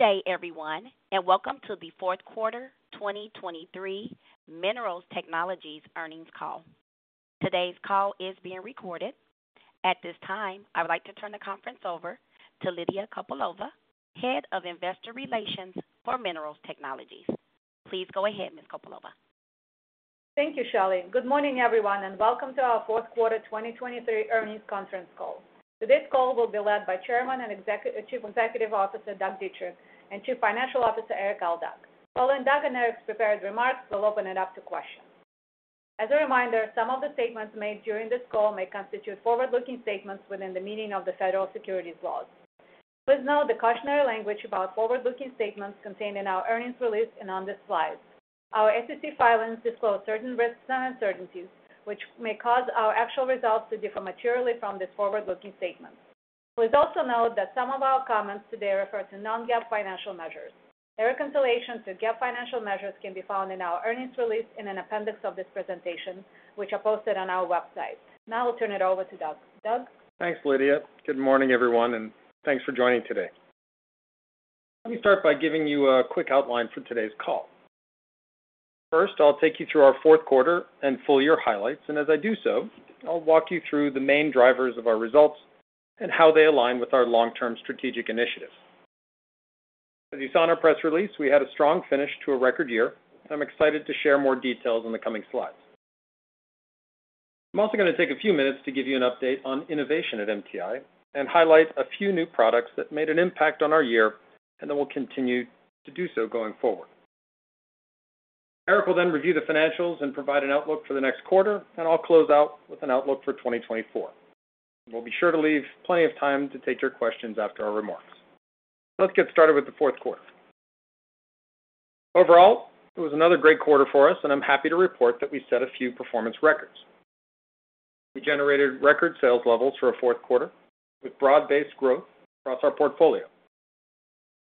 Good day, everyone, and welcome to the fourth quarter 2023 Minerals Technologies earnings call. Today's call is being recorded. At this time, I would like to turn the conference over to Lydia Kopylova, Head of Investor Relations for Minerals Technologies. Please go ahead, Ms. Kopylova. Thank you, Shelly. Good morning, everyone, and welcome to our fourth quarter 2023 earnings conference call. Today's call will be led by Chairman and Chief Executive Officer, Doug Dietrich, and Chief Financial Officer, Erik Aldag. Following Doug and Erik's prepared remarks, we'll open it up to questions. As a reminder, some of the statements made during this call may constitute forward-looking statements within the meaning of the federal securities laws. Please note the cautionary language about forward-looking statements contained in our earnings release and on this slide. Our SEC filings disclose certain risks and uncertainties, which may cause our actual results to differ materially from this forward-looking statement. Please also note that some of our comments today refer to non-GAAP financial measures. Their reconciliation to GAAP financial measures can be found in our earnings release in an appendix of this presentation, which are posted on our website. Now I'll turn it over to Doug. Doug? Thanks, Lydia. Good morning, everyone, and thanks for joining today. Let me start by giving you a quick outline for today's call. First, I'll take you through our fourth quarter and full year highlights, and as I do so, I'll walk you through the main drivers of our results and how they align with our long-term strategic initiatives. As you saw in our press release, we had a strong finish to a record year. I'm excited to share more details in the coming slides. I'm also going to take a few minutes to give you an update on innovation at MTI and highlight a few new products that made an impact on our year and that will continue to do so going forward. Erik will then review the financials and provide an outlook for the next quarter, and I'll close out with an outlook for 2024. We'll be sure to leave plenty of time to take your questions after our remarks. Let's get started with the fourth quarter. Overall, it was another great quarter for us, and I'm happy to report that we set a few performance records. We generated record sales levels for a fourth quarter, with broad-based growth across our portfolio.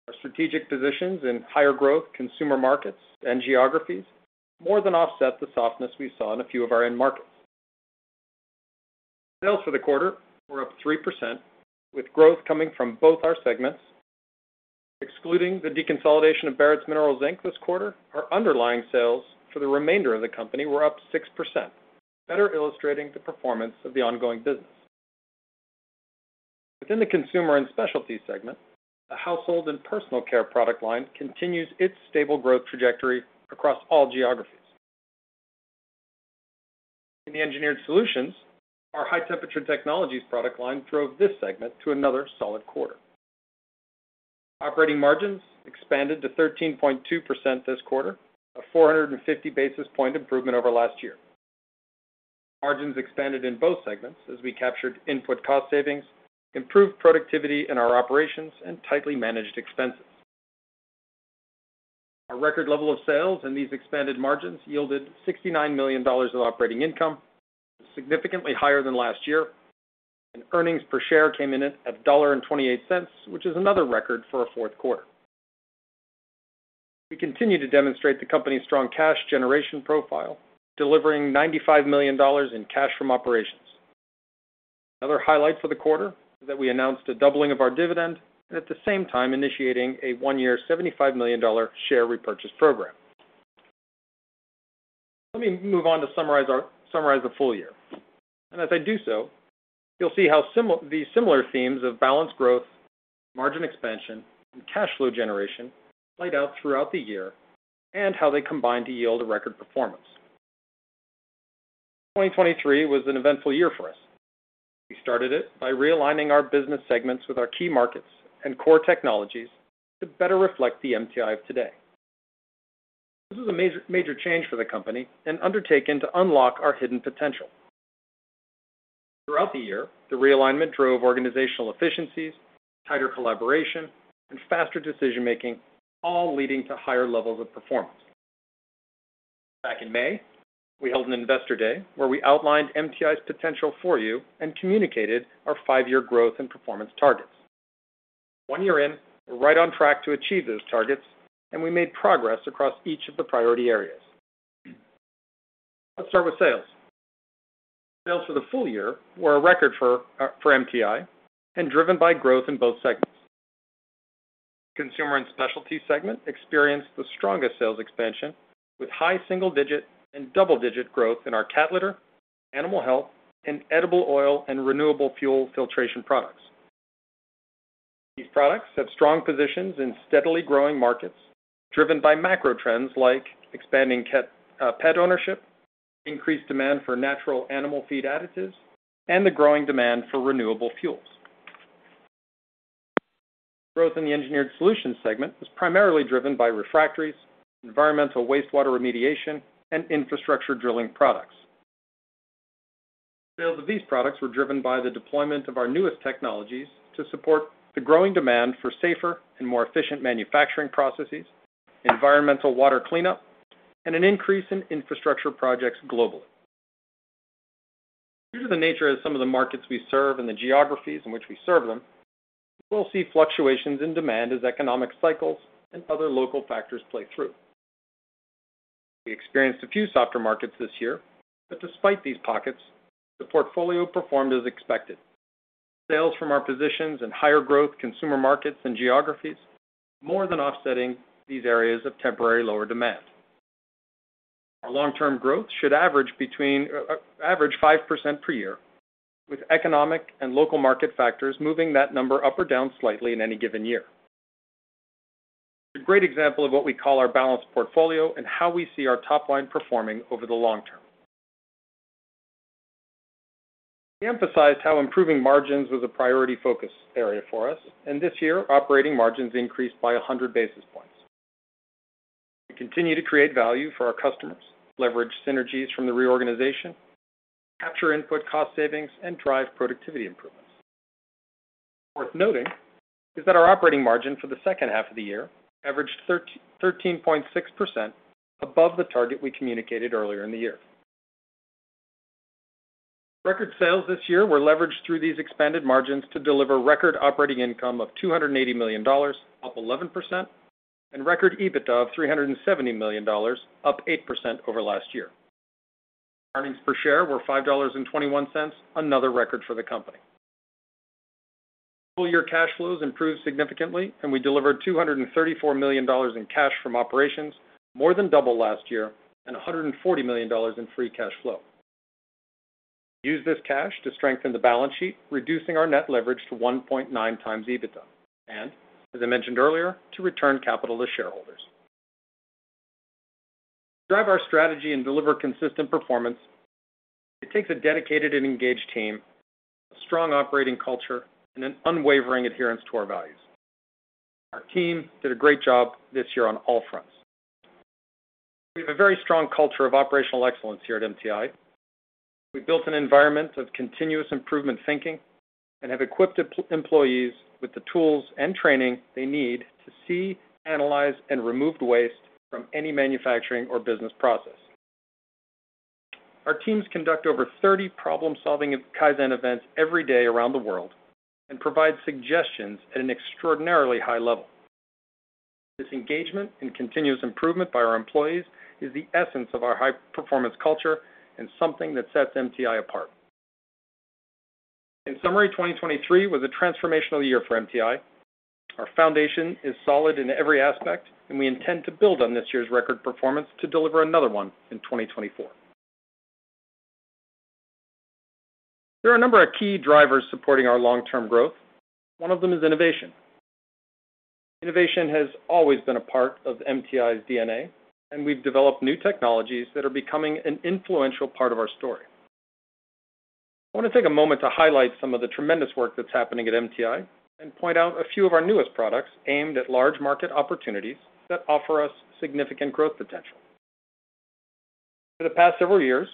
Our strategic positions in higher growth consumer markets and geographies more than offset the softness we saw in a few of our end markets. Sales for the quarter were up 3%, with growth coming from both our segments. Excluding the deconsolidation of Barretts Minerals Inc. this quarter, our underlying sales for the remainder of the company were up 6%, better illustrating the performance of the ongoing business. Within the Consumer and Specialty segment, the Household and Personal Care product line continues its stable growth trajectory across all geographies. In the engineered solutions, our High-Temperature Technologies product line drove this segment to another solid quarter. Operating margins expanded to 13.2% this quarter, a 450 basis point improvement over last year. Margins expanded in both segments as we captured input cost savings, improved productivity in our operations, and tightly managed expenses. Our record level of sales and these expanded margins yielded $69 million of operating income, significantly higher than last year, and earnings per share came in at $1.28, which is another record for a fourth quarter. We continue to demonstrate the company's strong cash generation profile, delivering $95 million in cash from operations. Another highlight for the quarter is that we announced a doubling of our dividend and at the same time initiating a one-year $75 million share repurchase program. Let me move on to summarize our, summarize the full year. As I do so, you'll see how the similar themes of balanced growth, margin expansion, and cash flow generation played out throughout the year and how they combined to yield a record performance. 2023 was an eventful year for us. We started it by realigning our business segments with our key markets and core technologies to better reflect the MTI of today. This is a major, major change for the company and undertaken to unlock our hidden potential. Throughout the year, the realignment drove organizational efficiencies, tighter collaboration, and faster decision-making, all leading to higher levels of performance. Back in May, we held an Investor Day, where we outlined MTI's potential for you and communicated our five-year growth and performance targets. One year in, we're right on track to achieve those targets, and we made progress across each of the priority areas. Let's start with sales. Sales for the full year were a record for MTI and driven by growth in both segments. Consumer and Specialties segment experienced the strongest sales expansion, with high single-digit and double-digit growth in our cat litter, animal health, and edible oil and renewable fuel filtration products. These products have strong positions in steadily growing markets, driven by macro trends like expanding pet ownership, increased demand for natural animal feed additives, and the growing demand for renewable fuels. Growth in the Engineered Solutions segment was primarily driven by refractories, environmental wastewater remediation, and infrastructure drilling products. Sales of these products were driven by the deployment of our newest technologies to support the growing demand for safer and more efficient manufacturing processes, environmental water cleanup, and an increase in infrastructure projects globally. Due to the nature of some of the markets we serve and the geographies in which we serve them, we'll see fluctuations in demand as economic cycles and other local factors play through. We experienced a few softer markets this year, but despite these pockets, the portfolio performed as expected. Sales from our positions in higher growth consumer markets and geographies, more than offsetting these areas of temporary lower demand. Our long-term growth should average between, average 5% per year, with economic and local market factors moving that number up or down slightly in any given year. A great example of what we call our balanced portfolio and how we see our top-line performing over the long term. We emphasized how improving margins was a priority focus area for us, and this year, operating margins increased by 100 basis points. We continue to create value for our customers, leverage synergies from the reorganization, capture input cost savings, and drive productivity improvements. Worth noting is that our operating margin for the second half of the year averaged 13.6% above the target we communicated earlier in the year. Record sales this year were leveraged through these expanded margins to deliver record operating income of $280 million, up 11%, and record EBITDA of $370 million, up 8% over last year. Earnings per share were $5.21, another record for the company. Full year cash flows improved significantly, and we delivered $234 million in cash from operations, more than double last year, and $140 million in free cash flow. We used this cash to strengthen the balance sheet, reducing our net leverage to 1.9 times EBITDA, and as I mentioned earlier, to return capital to shareholders. To drive our strategy and deliver consistent performance, it takes a dedicated and engaged team, a strong operating culture, and an unwavering adherence to our values. Our team did a great job this year on all fronts. We have a very strong culture of operational excellence here at MTI. We've built an environment of continuous improvement thinking and have equipped employees with the tools and training they need to see, analyze, and remove waste from any manufacturing or business process. Our teams conduct over 30 problem-solving Kaizen events every day around the world and provide suggestions at an extraordinarily high level. This engagement and continuous improvement by our employees is the essence of our high-performance culture and something that sets MTI apart. In summary, 2023 was a transformational year for MTI. Our foundation is solid in every aspect, and we intend to build on this year's record performance to deliver another one in 2024. There are a number of key drivers supporting our long-term growth. One of them is innovation. Innovation has always been a part of MTI's DNA, and we've developed new technologies that are becoming an influential part of our story. I want to take a moment to highlight some of the tremendous work that's happening at MTI and point out a few of our newest products aimed at large market opportunities that offer us significant growth potential. For the past several years,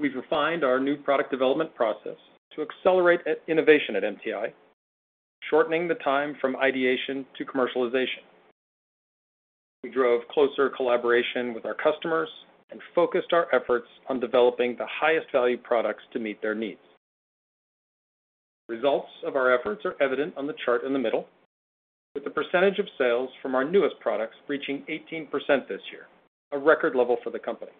we've refined our new product development process to accelerate at innovation at MTI, shortening the time from ideation to commercialization. We drove closer collaboration with our customers and focused our efforts on developing the highest value products to meet their needs. Results of our efforts are evident on the chart in the middle, with the percentage of sales from our newest products reaching 18% this year, a record level for the company.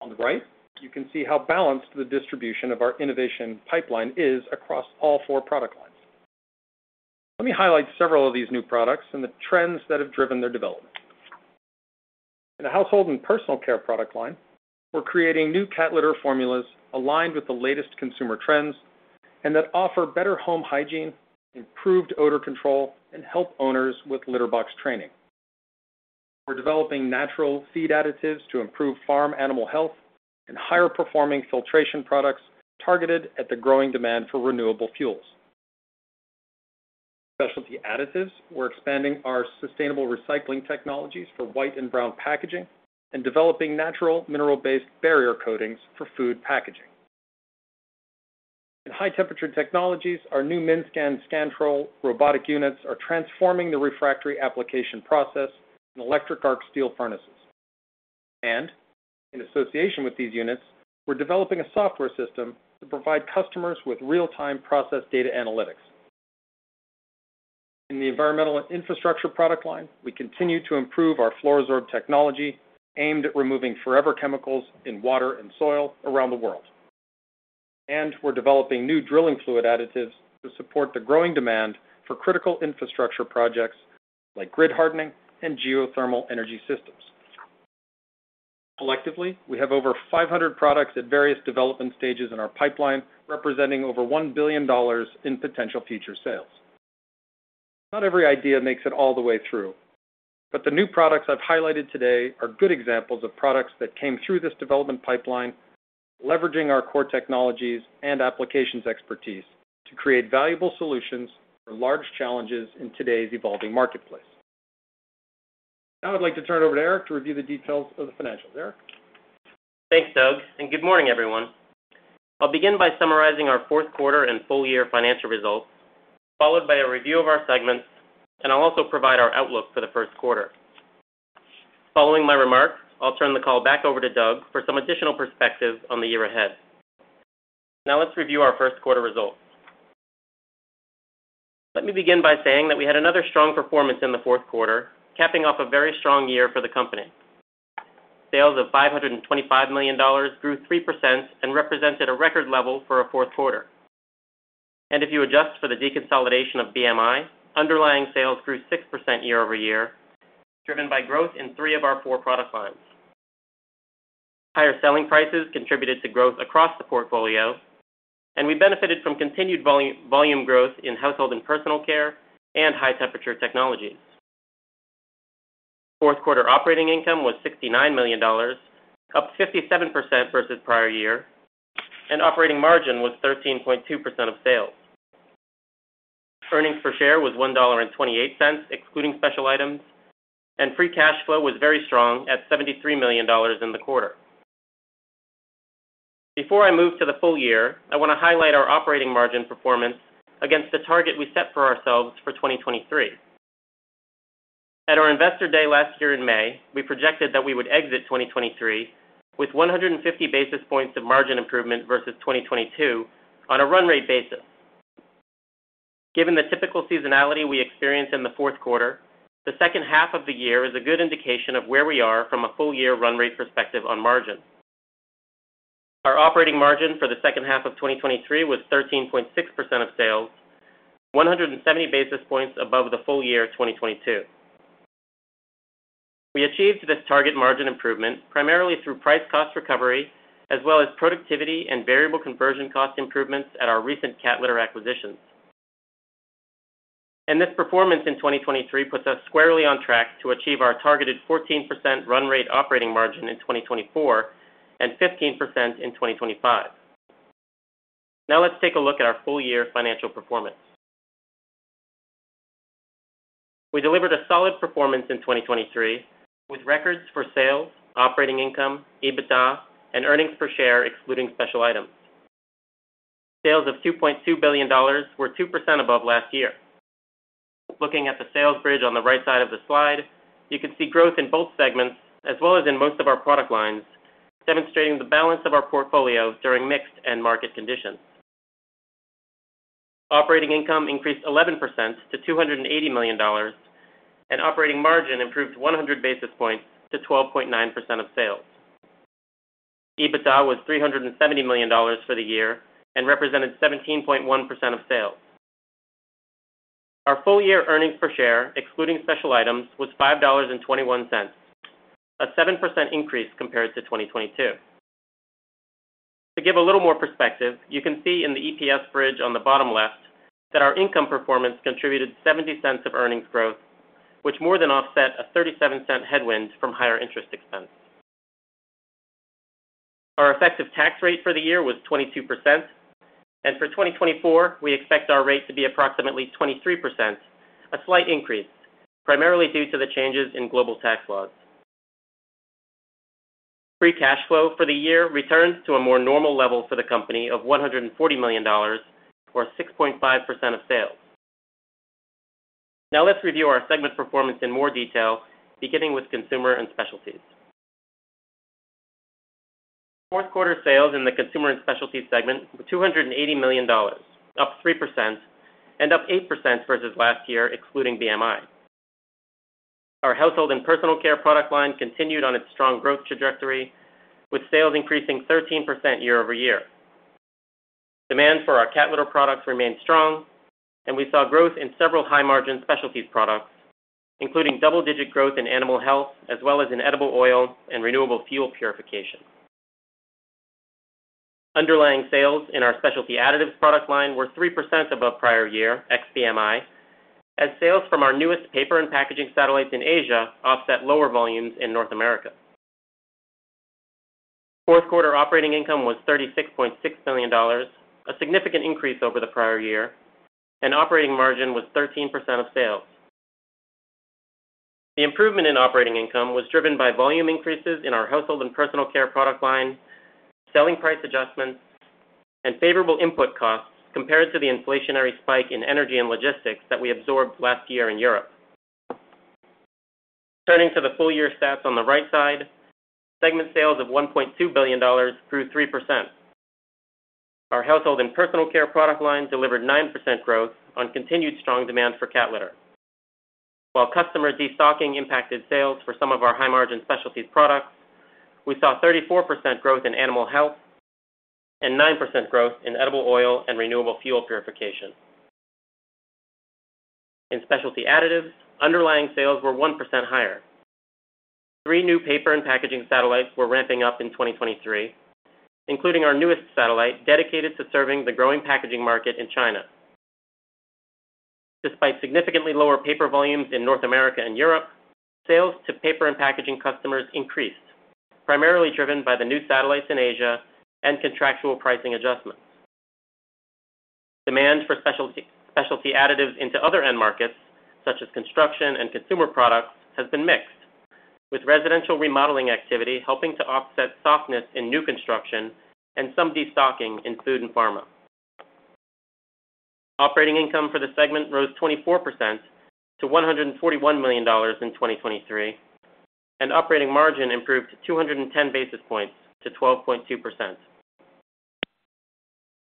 On the right, you can see how balanced the distribution of our innovation pipeline is across all four product lines. Let me highlight several of these new products and the trends that have driven their development. In the household and personal care product line, we're creating new cat litter formulas aligned with the latest consumer trends, and that offer better home hygiene, improved odor control, and help owners with litter box training. We're developing natural feed additives to improve farm animal health and higher-performing filtration products targeted at the growing demand for renewable fuels. Specialty Additives, we're expanding our sustainable recycling technologies for white and brown packaging and developing natural mineral-based barrier coatings for food packaging. In high-temperature technologies, our new MINSCAN Scantrol robotic units are transforming the refractory application process in electric arc steel furnaces. In association with these units, we're developing a software system to provide customers with real-time process data analytics. In the Environmental and Infrastructure product line, we continue to improve our Fluoro-Sorb technology, aimed at removing forever chemicals in water and soil around the world. We're developing new drilling fluid additives to support the growing demand for critical infrastructure projects like grid hardening and geothermal energy systems. Collectively, we have over 500 products at various development stages in our pipeline, representing over $1 billion in potential future sales. Not every idea makes it all the way through, but the new products I've highlighted today are good examples of products that came through this development pipeline, leveraging our core technologies and applications expertise to create valuable solutions for large challenges in today's evolving marketplace. Now I'd like to turn it over to Erik to review the details of the financials. Erik? Thanks, Doug, and good morning, everyone. I'll begin by summarizing our fourth quarter and full year financial results, followed by a review of our segments, and I'll also provide our outlook for the first quarter. Following my remarks, I'll turn the call back over to Doug for some additional perspective on the year ahead. Now, let's review our first quarter results. Let me begin by saying that we had another strong performance in the fourth quarter, capping off a very strong year for the company. Sales of $525 million grew 3% and represented a record level for a fourth quarter. And if you adjust for the deconsolidation of BMI, underlying sales grew 6% year-over-year, driven by growth in three of our four product lines. Higher selling prices contributed to growth across the portfolio, and we benefited from continued volume growth in household and personal care and high-temperature technologies. Fourth quarter operating income was $69 million, up 57% versus prior year, and operating margin was 13.2% of sales. Earnings per share was $1.28, excluding special items, and free cash flow was very strong at $73 million in the quarter. Before I move to the full year, I want to highlight our operating margin performance against the target we set for ourselves for 2023. At our Investor Day last year in May, we projected that we would exit 2023 with 150 basis points of margin improvement versus 2022 on a run-rate basis. Given the typical seasonality we experience in the fourth quarter, the second half of the year is a good indication of where we are from a full year run rate perspective on margin. Our operating margin for the second half of 2023 was 13.6% of sales, 170 basis points above the full year of 2022. We achieved this target margin improvement primarily through price-cost recovery, as well as productivity and variable conversion cost improvements at our recent cat litter acquisitions. And this performance in 2023 puts us squarely on track to achieve our targeted 14% run rate operating margin in 2024 and 15% in 2025. Now let's take a look at our full year financial performance. We delivered a solid performance in 2023, with records for sales, operating income, EBITDA, and earnings per share, excluding special items. Sales of $2.2 billion were 2% above last year. Looking at the sales bridge on the right side of the slide, you can see growth in both segments as well as in most of our product lines, demonstrating the balance of our portfolio during mixed and market conditions. Operating income increased 11% to $280 million, and operating margin improved 100 basis points to 12.9% of sales. EBITDA was $370 million for the year and represented 17.1% of sales. Our full year earnings per share, excluding special items, was $5.21, a 7% increase compared to 2022. To give a little more perspective, you can see in the EPS bridge on the bottom left that our income performance contributed $0.70 of earnings growth, which more than offset a $0.37 headwind from higher interest expense. Our effective tax rate for the year was 22%, and for 2024, we expect our rate to be approximately 23%, a slight increase, primarily due to the changes in global tax laws. Free cash flow for the year returns to a more normal level for the company of $140 million, or 6.5% of sales. Now let's review our segment performance in more detail, beginning with Consumer and Specialties. Fourth quarter sales in the Consumer and Specialties segment, $280 million, up 3% and up 8% versus last year, excluding BMI. Our household and personal care product line continued on its strong growth trajectory, with sales increasing 13% year over year. Demand for our cat litter products remained strong, and we saw growth in several high-margin specialties products, including double-digit growth in animal health, as well as in edible oil and renewable fuel purification. Underlying sales in our Specialty Additives product line were 3% above prior year ex-BMI, as sales from our newest paper and packaging satellites in Asia offset lower volumes in North America. Fourth quarter operating income was $36.6 million, a significant increase over the prior year, and operating margin was 13% of sales. The improvement in operating income was driven by volume increases in our household and personal care product line, selling price adjustments, and favorable input costs compared to the inflationary spike in energy and logistics that we absorbed last year in Europe. Turning to the full year stats on the right side, segment sales of $1.2 billion grew 3%. Our household and personal care product line delivered 9% growth on continued strong demand for cat litter. While customer destocking impacted sales for some of our high-margin specialties products, we saw 34% growth in animal health and 9% growth in edible oil and renewable fuel purification. In Specialty Additives, underlying sales were 1% higher. Three new paper and packaging satellites were ramping up in 2023, including our newest satellite, dedicated to serving the growing packaging market in China. Despite significantly lower paper volumes in North America and Europe, sales to paper and packaging customers increased, primarily driven by the new satellites in Asia and contractual pricing adjustments. Demand for specialty, Specialty Additives into other end markets, such as construction and consumer products, has been mixed, with residential remodeling activity helping to offset softness in new construction and some destocking in food and pharma. Operating income for the segment rose 24% to $141 million in 2023, and operating margin improved to 210 basis points to 12.2%....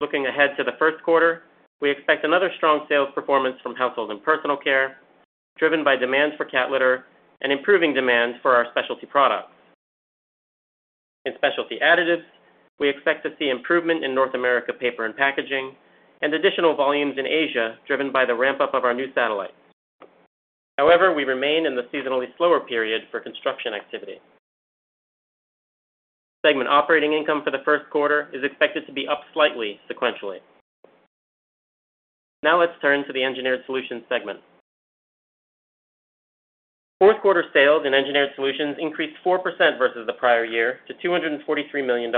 Looking ahead to the first quarter, we expect another strong sales performance from household and personal care, driven by demand for cat litter and improving demand for our specialty products. In Specialty Additives, we expect to see improvement in North America paper and packaging, and additional volumes in Asia, driven by the ramp-up of our new satellite. However, we remain in the seasonally slower period for construction activity. Segment operating income for the first quarter is expected to be up slightly sequentially. Now let's turn to the Engineered Solutions segment. Fourth quarter sales in Engineered Solutions increased 4% versus the prior year to $243 million.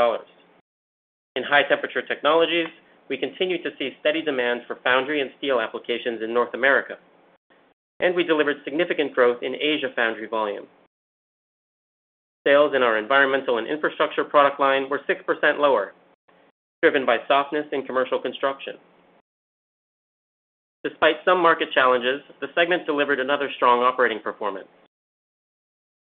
In High-Temperature Technologies, we continue to see steady demand for foundry and steel applications in North America, and we delivered significant growth in Asia foundry volume. Sales in our environmental and infrastructure product line were 6% lower, driven by softness in commercial construction. Despite some market challenges, the segment delivered another strong operating performance.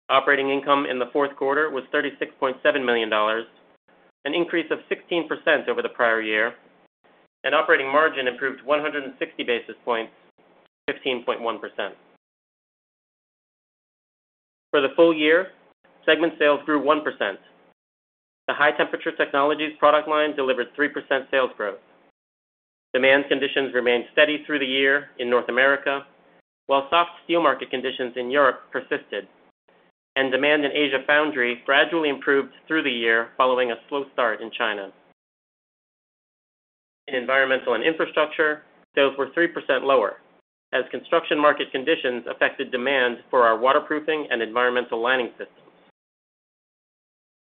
Operating income in the fourth quarter was $36.7 million, an increase of 16% over the prior year, and operating margin improved 160 basis points to 15.1%. For the full year, segment sales grew 1%. The high-temperature technologies product line delivered 3% sales growth. Demand conditions remained steady through the year in North America, while soft steel market conditions in Europe persisted, and demand in Asia foundry gradually improved through the year, following a slow start in China. In environmental and infrastructure, sales were 3% lower, as construction market conditions affected demand for our waterproofing and environmental lining systems.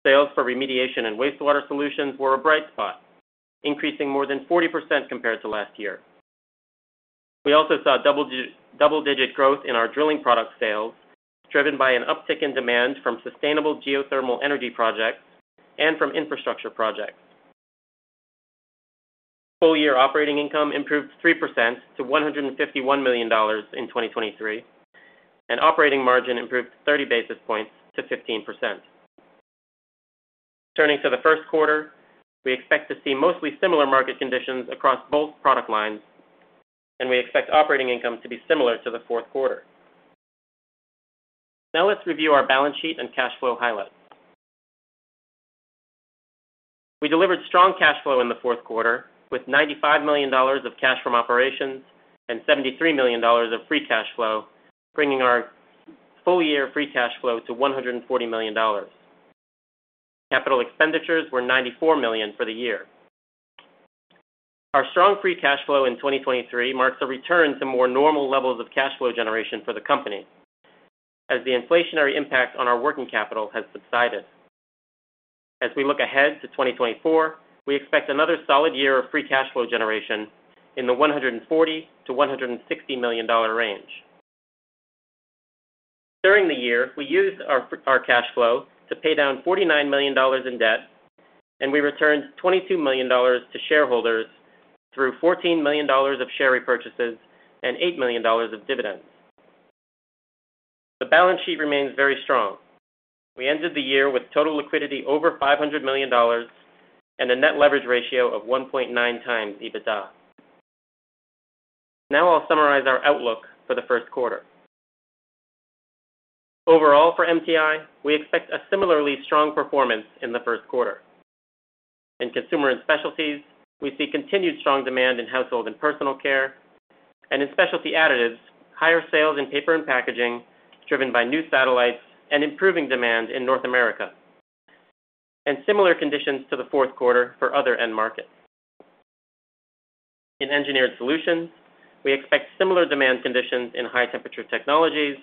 Sales for remediation and wastewater solutions were a bright spot, increasing more than 40% compared to last year. We also saw double-digit growth in our drilling product sales, driven by an uptick in demand from sustainable geothermal energy projects and from infrastructure projects. Full-year operating income improved 3% to $151 million in 2023, and operating margin improved 30 basis points to 15%. Turning to the first quarter, we expect to see mostly similar market conditions across both product lines, and we expect operating income to be similar to the fourth quarter. Now let's review our balance sheet and cash flow highlights. We delivered strong cash flow in the fourth quarter, with $95 million of cash from operations and $73 million of free cash flow, bringing our full-year free cash flow to $140 million. Capital expenditures were $94 million for the year. Our strong free cash flow in 2023 marks a return to more normal levels of cash flow generation for the company, as the inflationary impact on our working capital has subsided. As we look ahead to 2024, we expect another solid year of free cash flow generation in the $140 million-$160 million range. During the year, we used our cash flow to pay down $49 million in debt, and we returned $22 million to shareholders through $14 million of share repurchases and $8 million of dividends. The balance sheet remains very strong. We ended the year with total liquidity over $500 million and a net leverage ratio of 1.9 times EBITDA. Now I'll summarize our outlook for the first quarter. Overall, for MTI, we expect a similarly strong performance in the first quarter. In Consumer and Specialties, we see continued strong demand in household and personal care, and in Specialty Additives, higher sales in paper and packaging, driven by new satellites and improving demand in North America, and similar conditions to the fourth quarter for other end markets. In Engineered Solutions, we expect similar demand conditions in high-temperature technologies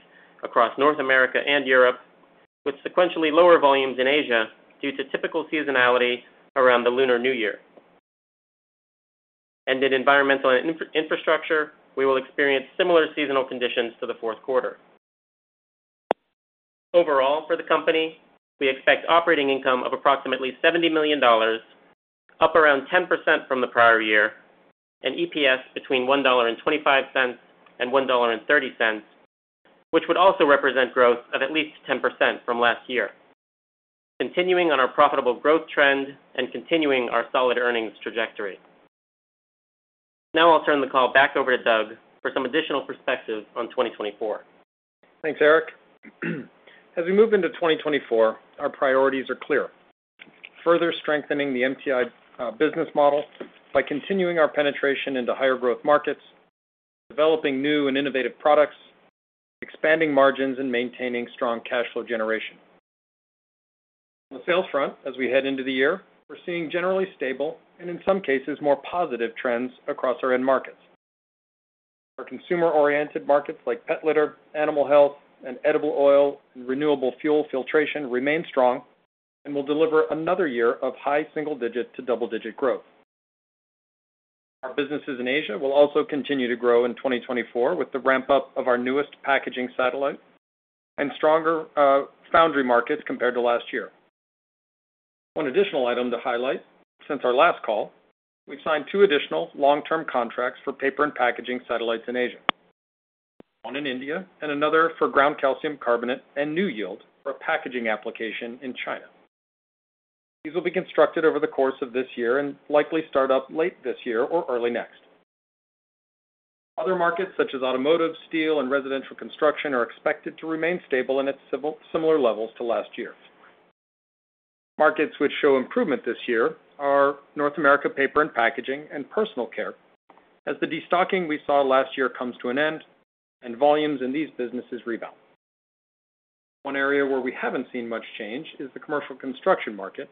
across North America and Europe, with sequentially lower volumes in Asia due to typical seasonality around the Lunar New Year. In environmental and infrastructure, we will experience similar seasonal conditions to the fourth quarter. Overall, for the company, we expect operating income of approximately $70 million, up around 10% from the prior year, and EPS between $1.25 and $1.30, which would also represent growth of at least 10% from last year, continuing on our profitable growth trend and continuing our solid earnings trajectory. Now I'll turn the call back over to Doug for some additional perspective on 2024. Thanks, Erik. As we move into 2024, our priorities are clear: further strengthening the MTI business model by continuing our penetration into higher growth markets, developing new and innovative products, expanding margins, and maintaining strong cash flow generation. On the sales front, as we head into the year, we're seeing generally stable, and in some cases, more positive trends across our end markets. Our consumer-oriented markets like pet litter, animal health, and edible oil and renewable fuel filtration remain strong and will deliver another year of high single-digit to double-digit growth. Our businesses in Asia will also continue to grow in 2024 with the ramp-up of our newest packaging satellite and stronger foundry markets compared to last year. One additional item to highlight, since our last call, we've signed two additional long-term contracts for paper and packaging satellites in Asia. One in India and another for ground calcium carbonate and NewYield for a packaging application in China. These will be constructed over the course of this year and likely start up late this year or early next. Other markets, such as automotive, steel, and residential construction, are expected to remain stable at essentially similar levels to last year. Markets which show improvement this year are North America paper and packaging, and personal care. As the destocking we saw last year comes to an end and volumes in these businesses rebound. One area where we haven't seen much change is the commercial construction market,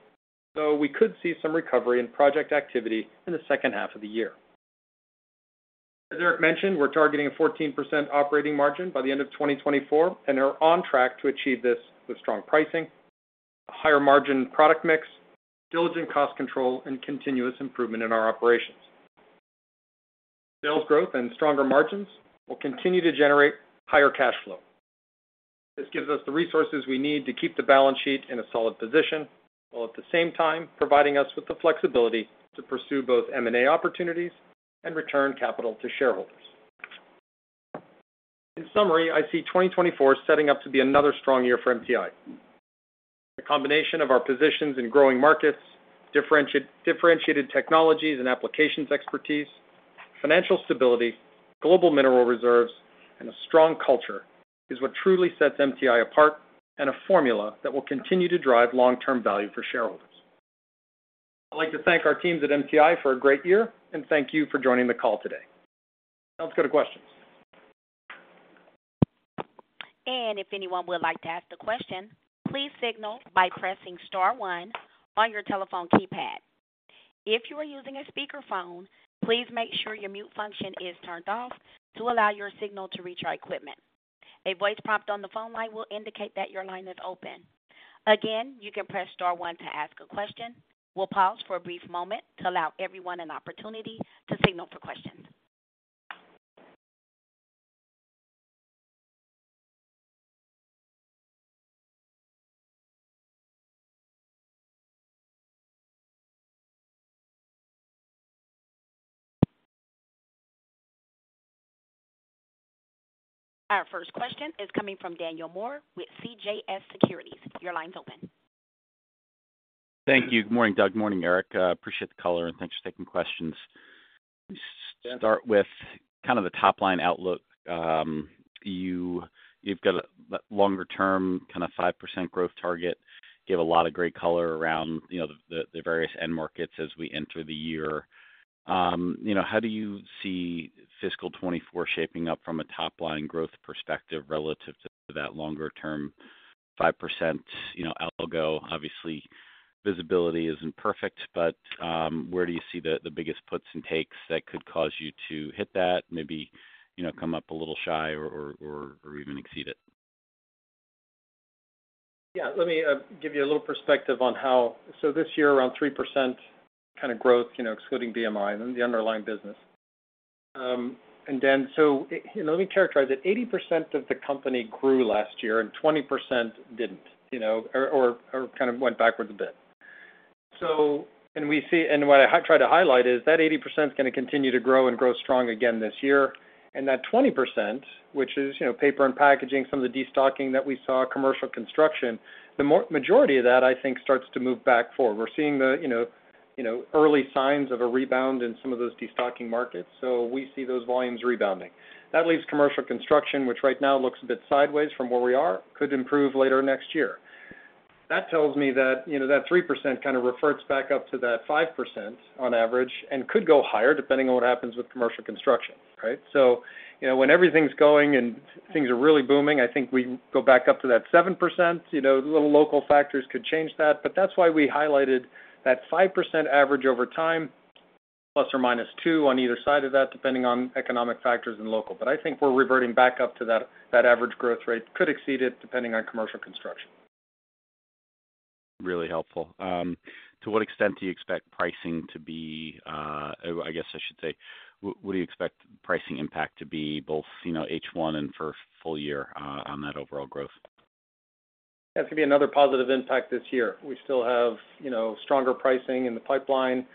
though we could see some recovery in project activity in the second half of the year. As Erik mentioned, we're targeting a 14% operating margin by the end of 2024 and are on track to achieve this with strong pricing, a higher margin product mix, diligent cost control, and continuous improvement in our operations. Sales growth and stronger margins will continue to generate higher cash flow. This gives us the resources we need to keep the balance sheet in a solid position, while at the same time providing us with the flexibility to pursue both M&A opportunities and return capital to shareholders. In summary, I see 2024 setting up to be another strong year for MTI. The combination of our positions in growing markets, differentiated technologies and applications, expertise, financial stability, global mineral reserves, and a strong culture is what truly sets MTI apart, and a formula that will continue to drive long-term value for shareholders. I'd like to thank our teams at MTI for a great year, and thank you for joining the call today. Now let's go to questions. If anyone would like to ask a question, please signal by pressing star one on your telephone keypad. If you are using a speakerphone, please make sure your mute function is turned off to allow your signal to reach our equipment. A voice prompt on the phone line will indicate that your line is open. Again, you can press star one to ask a question. We'll pause for a brief moment to allow everyone an opportunity to signal for questions. Our first question is coming from Daniel Moore with CJS Securities. Your line's open. Thank you. Good morning, Doug. Morning, Erik. Appreciate the call, and thanks for taking questions. Start with kind of the top-line outlook. You, you've got a longer-term, kind of 5% growth target. Give a lot of great color around, you know, the various end markets as we enter the year. You know, how do you see fiscal 2024 shaping up from a top-line growth perspective relative to that longer-term 5%? You know, I'll go. Obviously, visibility isn't perfect, but, where do you see the biggest puts and takes that could cause you to hit that maybe, you know, come up a little shy or even exceed it? Yeah, let me give you a little perspective on how... So this year, around 3% kind of growth, you know, excluding BMI, the underlying business. And then, so, you know, let me characterize it. 80% of the company grew last year and 20% didn't, you know, or kind of went backwards a bit. So, and what I try to highlight is that 80% is going to continue to grow and grow strong again this year. And that 20%, which is, you know, paper and packaging, some of the destocking that we saw, commercial construction, the majority of that, I think, starts to move back forward. We're seeing the, you know, early signs of a rebound in some of those destocking markets, so we see those volumes rebounding. That leaves commercial construction, which right now looks a bit sideways from where we are, could improve later next year. That tells me that, you know, that 3% kind of reverts back up to that 5% on average, and could go higher, depending on what happens with commercial construction, right? So, you know, when everything's going and things are really booming, I think we go back up to that 7%. You know, little local factors could change that, but that's why we highlighted that 5% average over time, ±2 on either side of that, depending on economic factors and local. But I think we're reverting back up to that, that average growth rate. Could exceed it, depending on commercial construction. Really helpful. To what extent do you expect pricing to be, I guess I should say, what do you expect pricing impact to be, both, you know, H1 and for full year, on that overall growth? That's going to be another positive impact this year. We still have, you know, stronger pricing in the pipeline.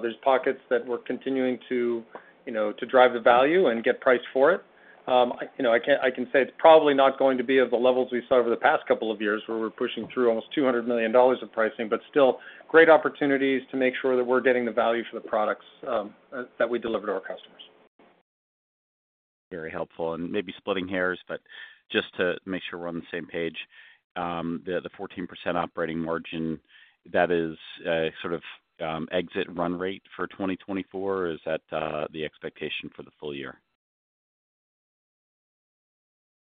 There's pockets that we're continuing to, you know, to drive the value and get priced for it. You know, I can't-- I can say it's probably not going to be of the levels we saw over the past couple of years, where we're pushing through almost $200 million of pricing, but still great opportunities to make sure that we're getting the value for the products, that we deliver to our customers. Very helpful and maybe splitting hairs, but just to make sure we're on the same page, the 14% operating margin, that is, sort of, exit run rate for 2024, or is that, the expectation for the full year?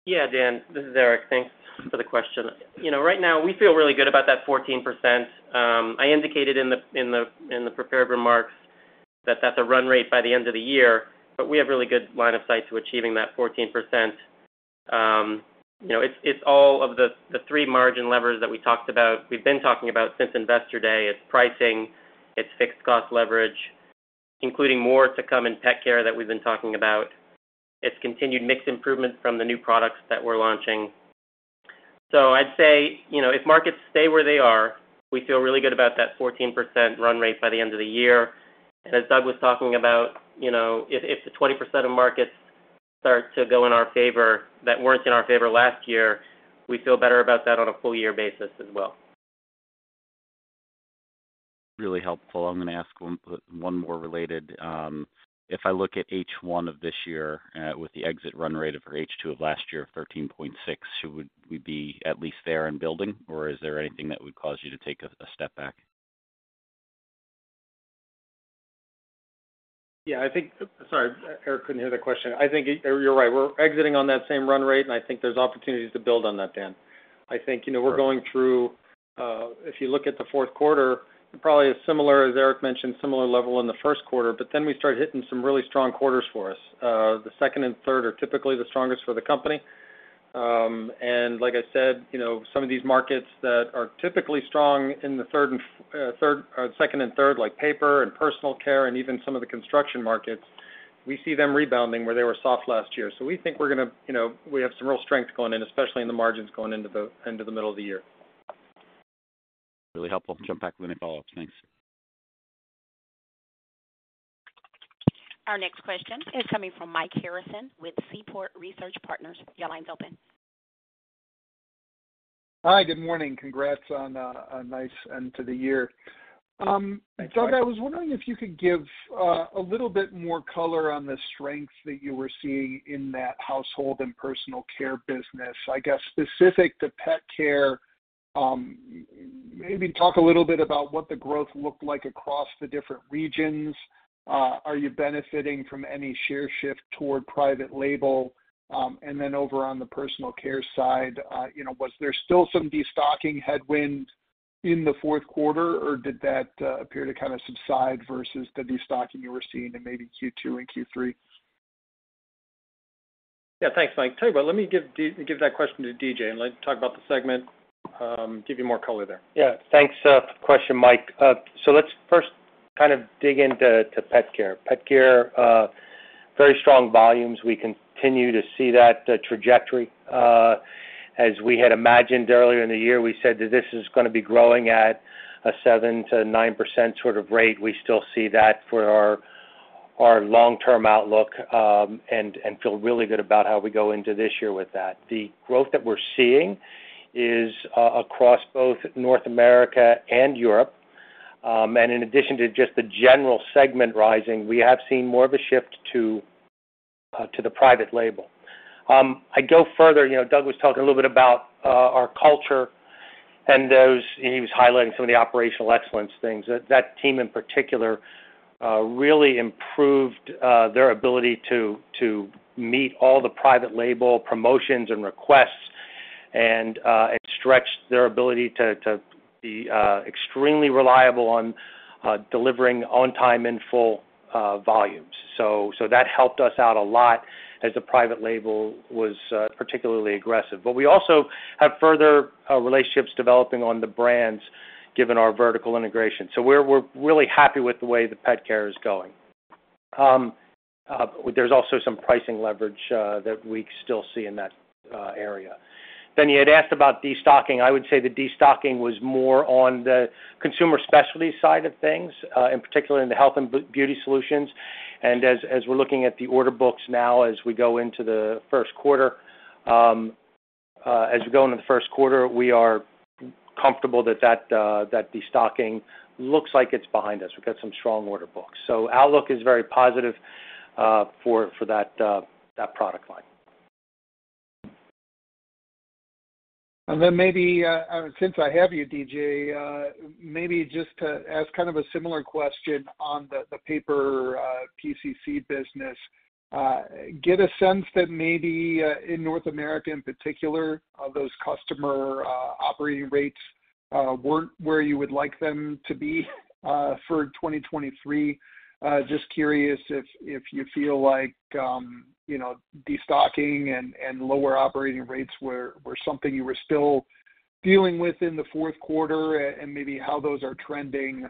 Yeah, Dan, this is Erik. Thanks for the question. You know, right now we feel really good about that 14%. I indicated in the prepared remarks that that's a run rate by the end of the year, but we have really good line of sight to achieving that 14%. You know, it's all of the three margin levers that we talked about, we've been talking about since Investor Day. It's pricing, it's fixed cost leverage, including more to come in pet care that we've been talking about. It's continued mix improvement from the new products that we're launching.... So I'd say, you know, if markets stay where they are, we feel really good about that 14% run rate by the end of the year. And as Doug was talking about, you know, if, if the 20% of markets start to go in our favor, that weren't in our favor last year, we feel better about that on a full year basis as well. Really helpful. I'm going to ask one more related. If I look at H1 of this year, with the exit run rate over H2 of last year of 13.6, so would we be at least there in building, or is there anything that would cause you to take a step back? Yeah, I think. Sorry, Erik, couldn't hear the question. I think you're right. We're exiting on that same run rate, and I think there's opportunities to build on that, Dan. I think, you know, we're going through, if you look at the fourth quarter, probably as similar, as Erik mentioned, similar level in the first quarter, but then we started hitting some really strong quarters for us. The second and third are typically the strongest for the company. And like I said, you know, some of these markets that are typically strong in the third, or second and third, like paper and personal care and even some of the construction markets, we see them rebounding where they were soft last year. We think we're gonna, you know, we have some real strength going in, especially in the margins going into the middle of the year. Really helpful. Jump back with any follow-ups. Thanks. Our next question is coming from Mike Harrison with Seaport Research Partners. Your line's open. Hi, good morning. Congrats on a nice end to the year. Doug, I was wondering if you could give a little bit more color on the strength that you were seeing in that household and personal care business. I guess, specific to pet care, maybe talk a little bit about what the growth looked like across the different regions. Are you benefiting from any share shift toward private label? And then over on the personal care side, you know, was there still some destocking headwind in the fourth quarter, or did that appear to kind of subside versus the destocking you were seeing in maybe Q2 and Q3? Yeah, thanks, Mike. Tell you what, let me give that question to DJ, and let him talk about the segment, give you more color there. Yeah. Thanks for the question, Mike. So let's first kind of dig into pet care. Pet care, very strong volumes. We continue to see that trajectory as we had imagined earlier in the year. We said that this is gonna be growing at a 7%-9% sort of rate. We still see that for our long-term outlook and feel really good about how we go into this year with that. The growth that we're seeing is across both North America and Europe. And in addition to just the general segment rising, we have seen more of a shift to the private label. I'd go further, you know, Doug was talking a little bit about our culture and those. And he was highlighting some of the operational excellence things. That team, in particular, really improved their ability to meet all the private label promotions and requests and stretch their ability to be extremely reliable on delivering on time in full volumes. So that helped us out a lot as the private label was particularly aggressive. But we also have further relationships developing on the brands, given our vertical integration. So we're really happy with the way the pet care is going. There's also some pricing leverage that we still see in that area. Then you had asked about destocking. I would say the destocking was more on the Consumer Specialties side of things, in particular in the health and beauty solutions. And as we're looking at the order books now, as we go into the first quarter, we are comfortable that that destocking looks like it's behind us. We've got some strong order books. So outlook is very positive for that product line. And then maybe, since I have you, DJ, maybe just to ask kind of a similar question on the, the paper, PCC business. Get a sense that maybe, in North America, in particular, those customer operating rates weren't where you would like them to be, for 2023. Just curious if, if you feel like, you know, destocking and, and lower operating rates were, were something you were still dealing with in the fourth quarter, and maybe how those are trending,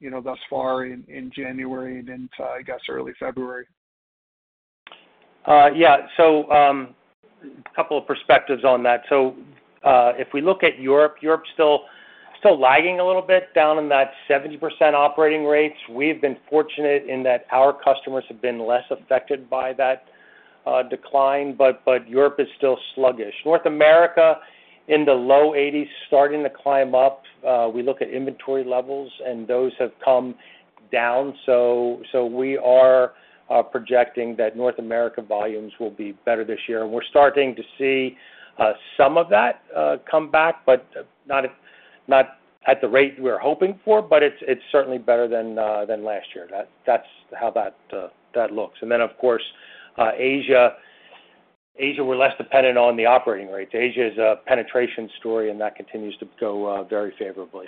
you know, thus far in, in January and into, I guess, early February. Yeah. So, a couple of perspectives on that. So, if we look at Europe, Europe still lagging a little bit, down in that 70% operating rates. We've been fortunate in that our customers have been less affected by that decline but Europe is still sluggish. North America, in the low 80s, starting to climb up. We look at inventory levels, and those have come down. So we are projecting that North America volumes will be better this year, and we're starting to see some of that come back, but not at the rate we were hoping for, but it's certainly better than last year. That's how that looks. And then, of course, Asia. Asia, we're less dependent on the operating rates. Asia is a penetration story, and that continues to go very favorably.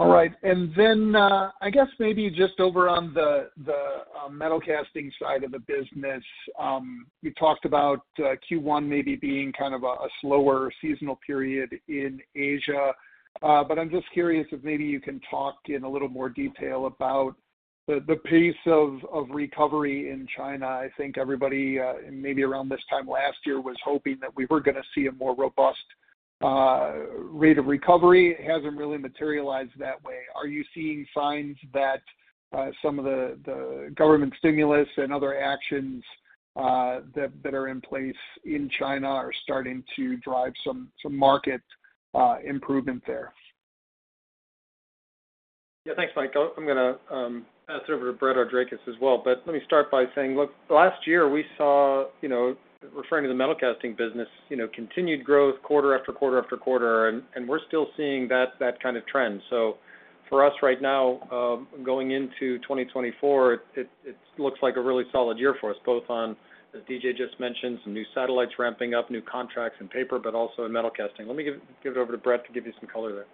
All right. And then, I guess maybe just over on the metal casting side of the business, you talked about Q1 maybe being kind of a slower seasonal period in Asia. But I'm just curious if maybe you can talk in a little more detail about the pace of recovery in China. I think everybody, maybe around this time last year, was hoping that we were going to see a more robust rate of recovery. It hasn't really materialized that way. Are you seeing signs that some of the government stimulus and other actions that are in place in China are starting to drive some market improvement there? Yeah, thanks, Mike. I'm going to pass it over to Brett Argirakis as well. But let me start by saying, look, last year we saw, you know, referring to the metal casting business, you know, continued growth quarter after quarter after quarter, and we're still seeing that kind of trend. So for us right now, going into 2024, it looks like a really solid year for us, both on, as DJ just mentioned, some new satellites ramping up, new contracts in paper, but also in metal casting. Let me give it over to Brett to give you some color there.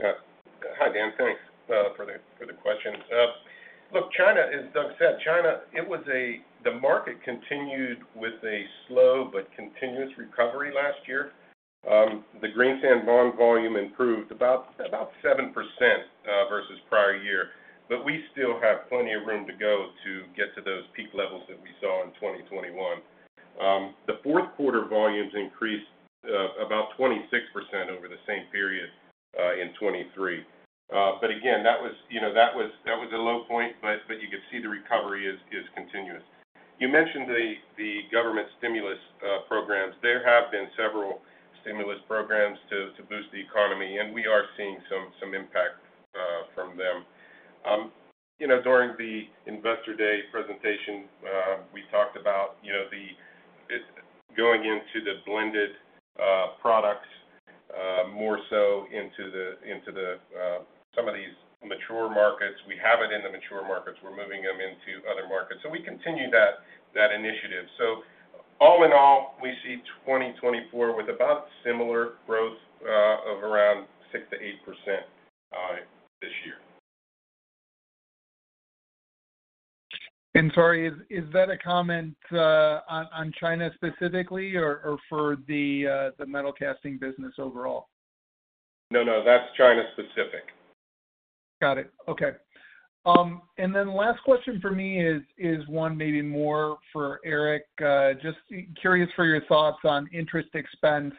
Yeah. Hi, Dan. Thanks for the question. Look, China, as Doug said, China, it was a, the market continued with a slow but continuous recovery last year. The green sand volume improved about 7% versus prior year, but we still have plenty of room to go to get to those peak levels that we saw in 2021. The fourth quarter volumes increased about 26% over the same period in 2023. But again, that was, you know, that was a low point, but you could see the recovery is continuous. You mentioned the government stimulus programs. There have been several stimulus programs to boost the economy, and we are seeing some impact from them. You know, during the Investor Day presentation, we talked about, you know, the going into the blended products more so into the some of these mature markets. We have it in the mature markets. We're moving them into other markets, so we continue that, that initiative. So all in all, we see 2024 with about similar growth of around 6%-8% this year. Sorry, is that a comment on China specifically or for the metal casting business overall? No, no, that's China specific. Got it. Okay. And then last question for me is one maybe more for Erik. Just curious for your thoughts on interest expense,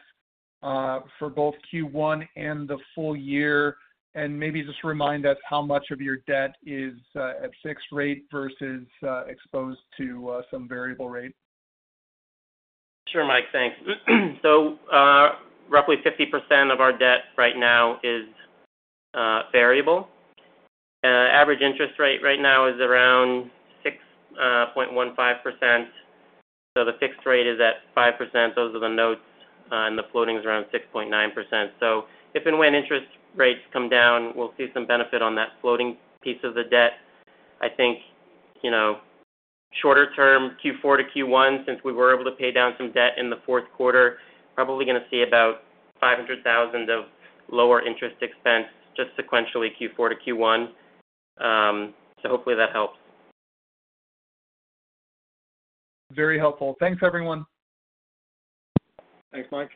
for both Q1 and the full year, and maybe just remind us how much of your debt is at fixed rate versus exposed to some variable rate. Sure, Mike, thanks. So, roughly 50% of our debt right now is variable. Average interest rate right now is around 6.15%. So the fixed rate is at 5%. Those are the notes, and the floating is around 6.9%. So if and when interest rates come down, we'll see some benefit on that floating piece of the debt. I think, you know, shorter term, Q4 to Q1, since we were able to pay down some debt in the fourth quarter, probably going to see about $500,000 of lower interest expense just sequentially Q4 to Q1. So hopefully that helps. Very helpful. Thanks, everyone. Thanks, Mike.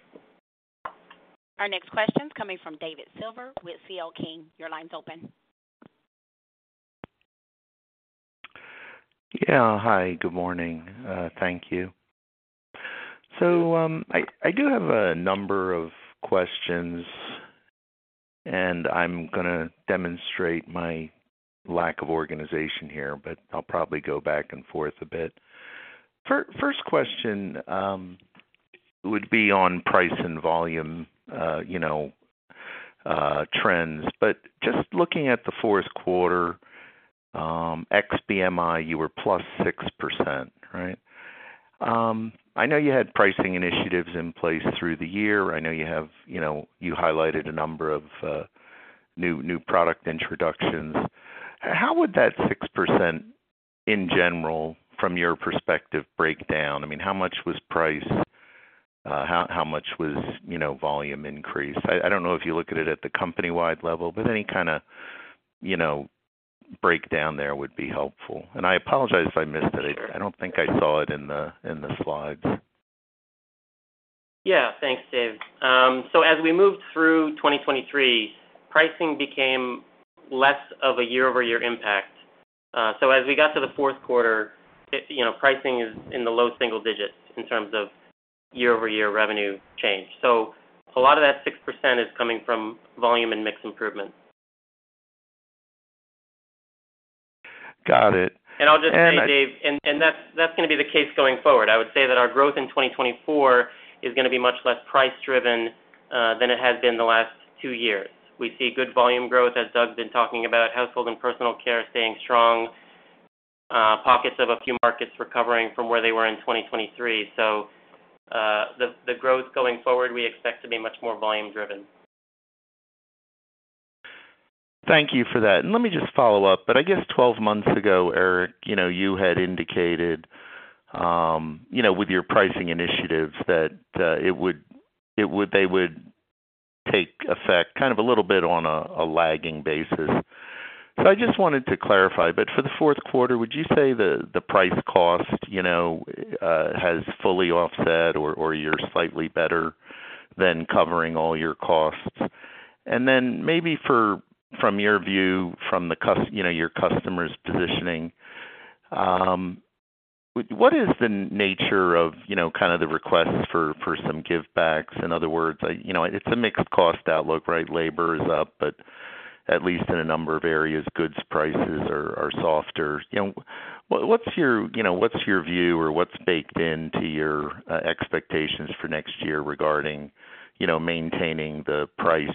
Our next question is coming from David Silver with CL King. Your line's open. Yeah. Hi, good morning. Thank you. So, I, I do have a number of questions, and I'm going to demonstrate my lack of organization here, but I'll probably go back and forth a bit. First question, would be on price and volume, you know, trends, but just looking at the fourth quarter, ex-BMI, you were +6%, right? I know you had pricing initiatives in place through the year. I know you have, you know, you highlighted a number of, new, new product introductions. How would that 6%, in general, from your perspective, break down? I mean, how much was price? How, how much was, you know, volume increase? I, I don't know if you look at it at the company-wide level, but any kind of, you know, breakdown there would be helpful. I apologize if I missed it. I don't think I saw it in the slides. Yeah. Thanks, Dave. So as we moved through 2023, pricing became less of a year-over-year impact. So as we got to the fourth quarter, you know, pricing is in the low single digits in terms of year-over-year revenue change. So a lot of that 6% is coming from volume and mix improvement. Got it. And I'll just say, Dave, and that's going to be the case going forward. I would say that our growth in 2024 is going to be much less price driven than it has been the last two years. We see good volume growth, as Doug's been talking about, household and personal care staying strong, pockets of a few markets recovering from where they were in 2023. So, the growth going forward, we expect to be much more volume driven. Thank you for that. Let me just follow up. I guess 12 months ago, Erik, you know, you had indicated, you know, with your pricing initiatives, that it would -- it would -- they would take effect kind of a little bit on a, a lagging basis. I just wanted to clarify, but for the fourth quarter, would you say the, the price-cost, you know, has fully offset or, or you're slightly better?... than covering all your costs. And then maybe from your view, from the customer, you know, your customer's positioning, what is the nature of, you know, kind of the requests for, for some givebacks? In other words, you know, it's a mixed cost outlook, right? Labor is up, but at least in a number of areas, goods prices are, are softer. You know, what's your, you know, what's your view or what's baked into your expectations for next year regarding, you know, maintaining the price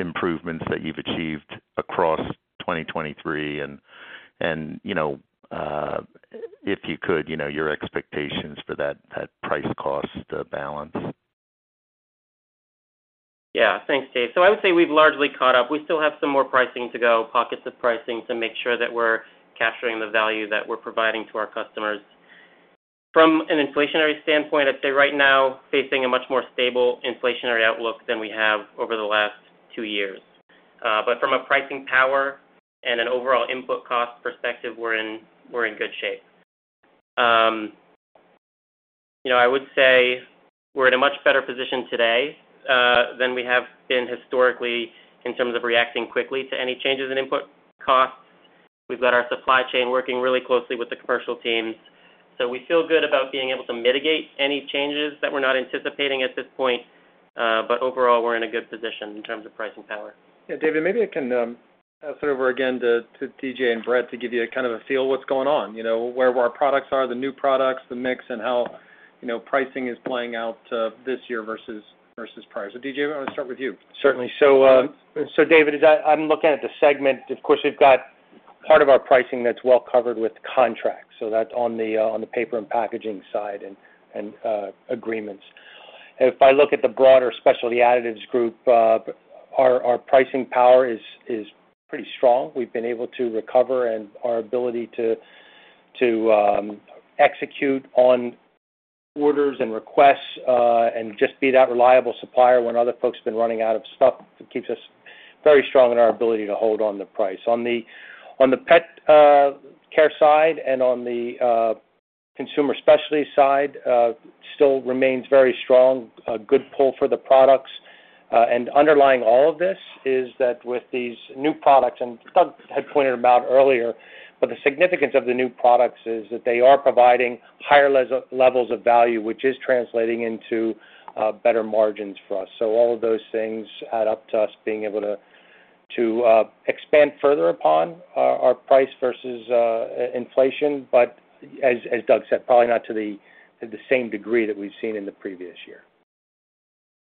improvements that you've achieved across 2023? And, you know, if you could, you know, your expectations for that price-cost balance. Yeah. Thanks, Dave. So I would say we've largely caught up. We still have some more pricing to go, pockets of pricing, to make sure that we're capturing the value that we're providing to our customers. From an inflationary standpoint, I'd say right now, facing a much more stable inflationary outlook than we have over the last two years. But from a pricing power and an overall input cost perspective, we're in good shape. You know, I would say we're in a much better position today than we have been historically in terms of reacting quickly to any changes in input costs. We've got our supply chain working really closely with the commercial teams. So we feel good about being able to mitigate any changes that we're not anticipating at this point, but overall, we're in a good position in terms of pricing power. Yeah, David, maybe I can pass it over again to DJ and Brett to give you a kind of a feel of what's going on, you know, where our products are, the new products, the mix, and how, you know, pricing is playing out this year versus prior. So, DJ, I'm gonna start with you. Certainly. So, David, as I'm looking at the segment, of course, we've got part of our pricing that's well covered with contracts, so that's on the paper and packaging side and agreements. If I look at the broader Specialty Additives group, our pricing power is pretty strong. We've been able to recover, and our ability to execute on orders and requests and just be that reliable supplier when other folks have been running out of stuff, it keeps us very strong in our ability to hold on the price. On the pet care side and on the Consumer Specialty Side, still remains very strong, a good pull for the products. And underlying all of this is that with these new products, and Doug had pointed about earlier, but the significance of the new products is that they are providing higher levels of value, which is translating into better margins for us. So all of those things add up to us being able to expand further upon our price versus inflation. But as Doug said, probably not to the same degree that we've seen in the previous year.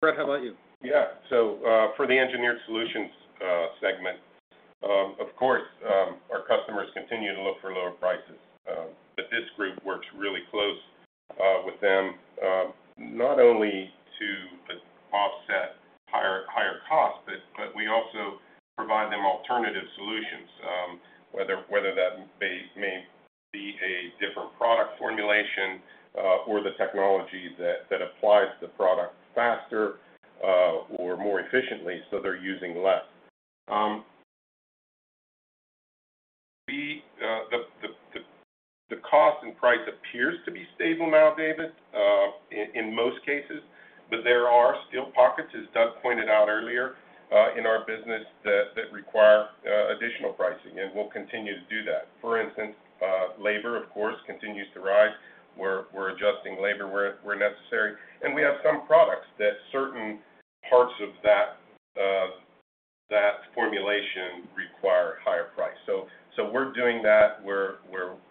Brett, how about you? Yeah. So, for the Engineered Solutions segment, of course, our customers continue to look for lower prices, but this group works really close with them, not only to offset higher costs, but we also provide them alternative solutions, whether that may be a different product formulation, or the technology that applies the product faster, or more efficiently, so they're using less. The cost and price appears to be stable now, David, in most cases, but there are still pockets, as Doug pointed out earlier, in our business that require additional pricing, and we'll continue to do that. For instance, labor, of course, continues to rise. We're adjusting labor where necessary, and we have some products that certain parts of that formulation require higher price. So we're doing that. We're...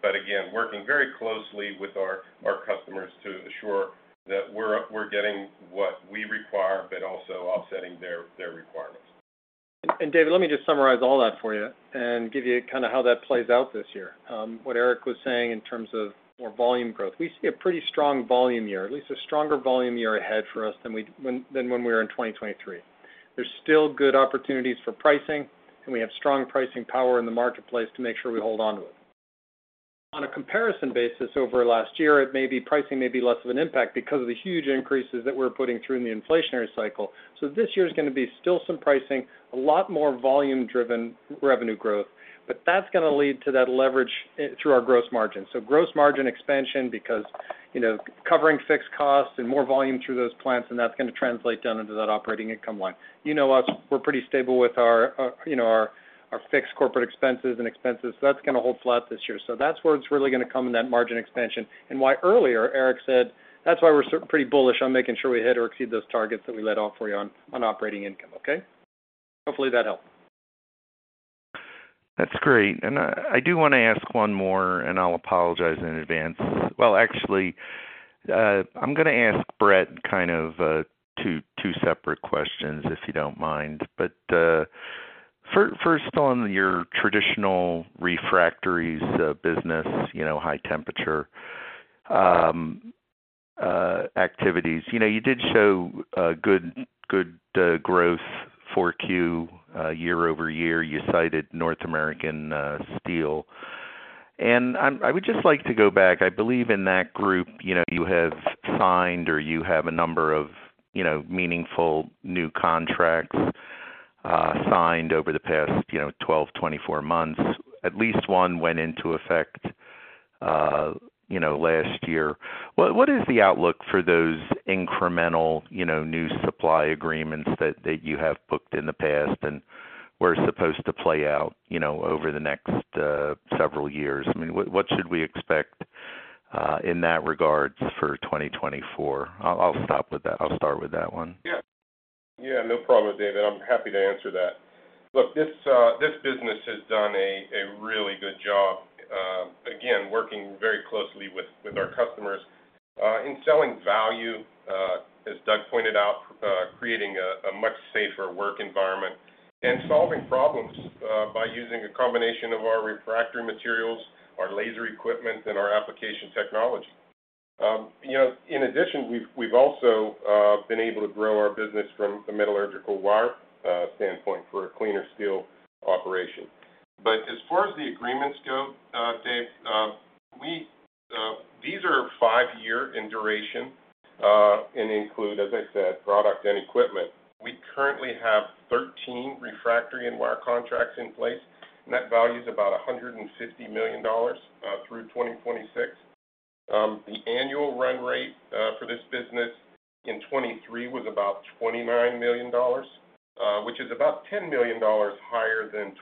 But again, working very closely with our customers to assure that we're getting what we require, but also offsetting their requirements. David, let me just summarize all that for you and give you kind of how that plays out this year. What Erik was saying in terms of more volume growth. We see a pretty strong volume year, at least a stronger volume year ahead for us than when we were in 2023. There's still good opportunities for pricing, and we have strong pricing power in the marketplace to make sure we hold on to it. On a comparison basis over last year, it may be, pricing may be less of an impact because of the huge increases that we're putting through in the inflationary cycle. So this year is gonna be still some pricing, a lot more volume-driven revenue growth, but that's gonna lead to that leverage through our gross margin. So gross margin expansion, because, you know, covering fixed costs and more volume through those plants, and that's gonna translate down into that operating income line. You know us, we're pretty stable with our, you know, our fixed corporate expenses and expenses, so that's gonna hold flat this year. So that's where it's really gonna come in that margin expansion and why earlier, Erik said, "That's why we're certainly pretty bullish on making sure we hit or exceed those targets that we laid out for you on operating income." Okay? Hopefully, that helped. That's great. And I do wanna ask one more, and I'll apologize in advance. Well, actually, I'm gonna ask Brett kind of two separate questions, if you don't mind. But first, on your traditional refractories business, you know, high-temperature activities, you know, you did show a good growth for Q year-over-year. You cited North American steel. And I would just like to go back. I believe in that group, you know, you have signed or you have a number of meaningful new contracts signed over the past, you know, 12, 24 months. At least one went into effect last year. What is the outlook for those incremental, you know, new supply agreements that you have booked in the past and were supposed to play out, you know, over the next several years? I mean, what should we expect in that regard for 2024? I'll stop with that. I'll start with that one. Yeah. Yeah, no problem, David. I'm happy to answer that. Look, this business has done a really good job, again, working very closely with our customers in selling value, as Doug pointed out, creating a much safer work environment and solving problems by using a combination of our refractory materials, our laser equipment, and our application technology. You know, in addition, we've also been able to grow our business from a metallurgical wire standpoint for a cleaner steel operation. But as far as the agreements go, Dave, these are five-year in duration, and include, as I said, product and equipment. We currently have 13 refractory and wire contracts in place, and that value is about $150 million through 2026. The annual run rate for this business in 2023 was about $29 million, which is about $10 million higher than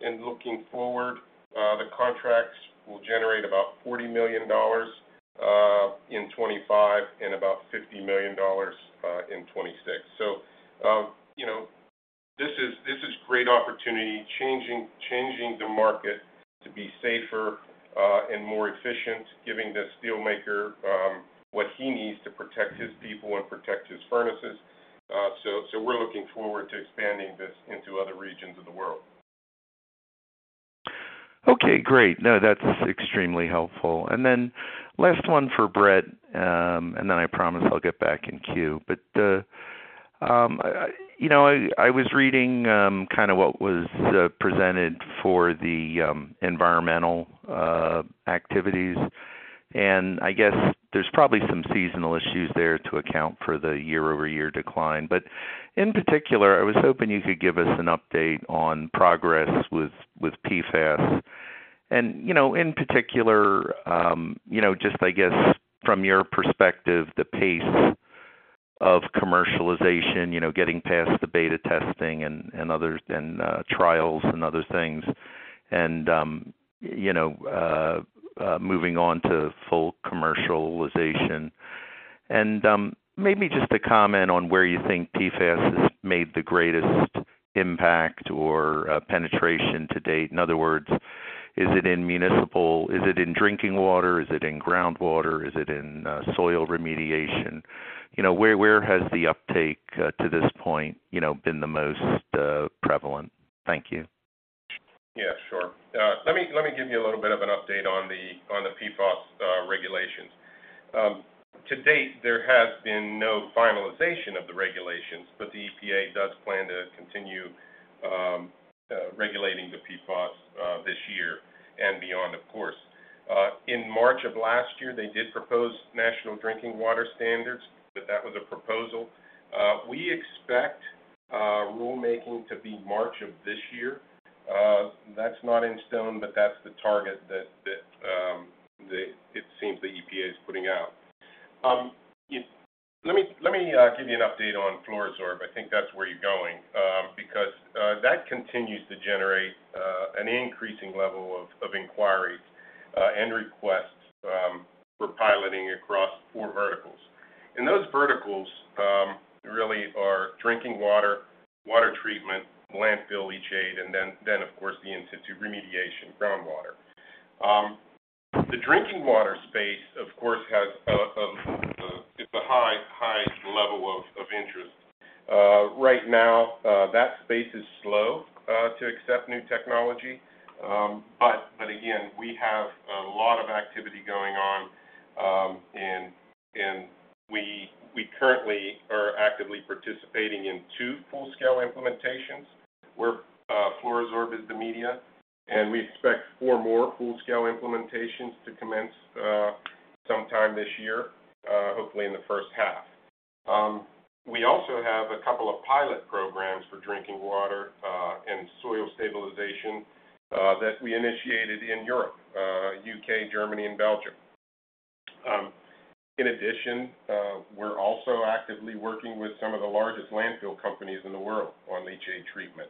2022. Looking forward, the contracts will generate about $40 million in 2025 and about $50 million in 2026. So, you know, this is, this is great opportunity, changing, changing the market to be safer and more efficient, giving the steelmaker what he needs to protect his people and protect his furnaces. So we're looking forward to expanding this into other regions of the world. Okay, great. No, that's extremely helpful. And then last one for Brett, and then I promise I'll get back in queue. But you know, I was reading kind of what was presented for the environmental activities, and I guess there's probably some seasonal issues there to account for the year-over-year decline. But in particular, I was hoping you could give us an update on progress with PFAS. And you know, in particular, you know, just I guess from your perspective, the pace of commercialization, you know, getting past the beta testing and others and trials and other things, and you know, moving on to full commercialization. And maybe just a comment on where you think PFAS has made the greatest impact or penetration to date. In other words, is it in municipal? Is it in drinking water? Is it in groundwater? Is it in soil remediation? You know, where, where has the uptake to this point, you know, been the most prevalent? Thank you. Yeah, sure. Let me, let me give you a little bit of an update on the, on the PFAS regulations. To date, there has been no finalization of the regulations, but the EPA does plan to continue regulating the PFAS this year and beyond, of course. In March of last year, they did propose national drinking water standards, but that was a proposal. We expect rulemaking to be March of this year. That's not in stone, but that's the target that it seems the EPA is putting out. Let me, let me give you an update on Fluorosorb. I think that's where you're going because that continues to generate an increasing level of inquiries and requests for piloting across four verticals. Those verticals really are drinking water, water treatment, landfill leachate, and then, of course, the in-situ remediation, groundwater. The drinking water space, of course, has a high level of interest. Right now, that space is slow to accept new technology. But again, we have a lot of activity going on, and we currently are actively participating in two full-scale implementations where Fluorosorb is the media, and we expect four more full-scale implementations to commence sometime this year, hopefully in the first half. We also have a couple of pilot programs for drinking water and soil stabilization that we initiated in Europe, UK, Germany, and Belgium. In addition, we're also actively working with some of the largest landfill companies in the world on leachate treatment,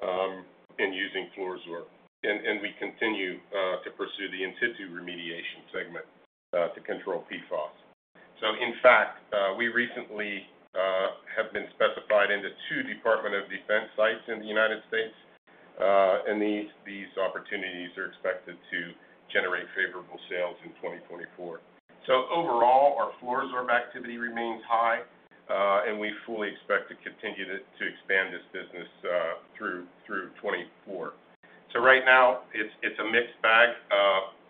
and using Fluorosorb. And we continue to pursue the in-situ remediation segment to control PFAS. So in fact, we recently have been specified into two Department of Defense sites in the United States, and these opportunities are expected to generate favorable sales in 2024. So overall, our Fluorosorb activity remains high, and we fully expect to continue to expand this business through 2024. So right now, it's a mixed bag.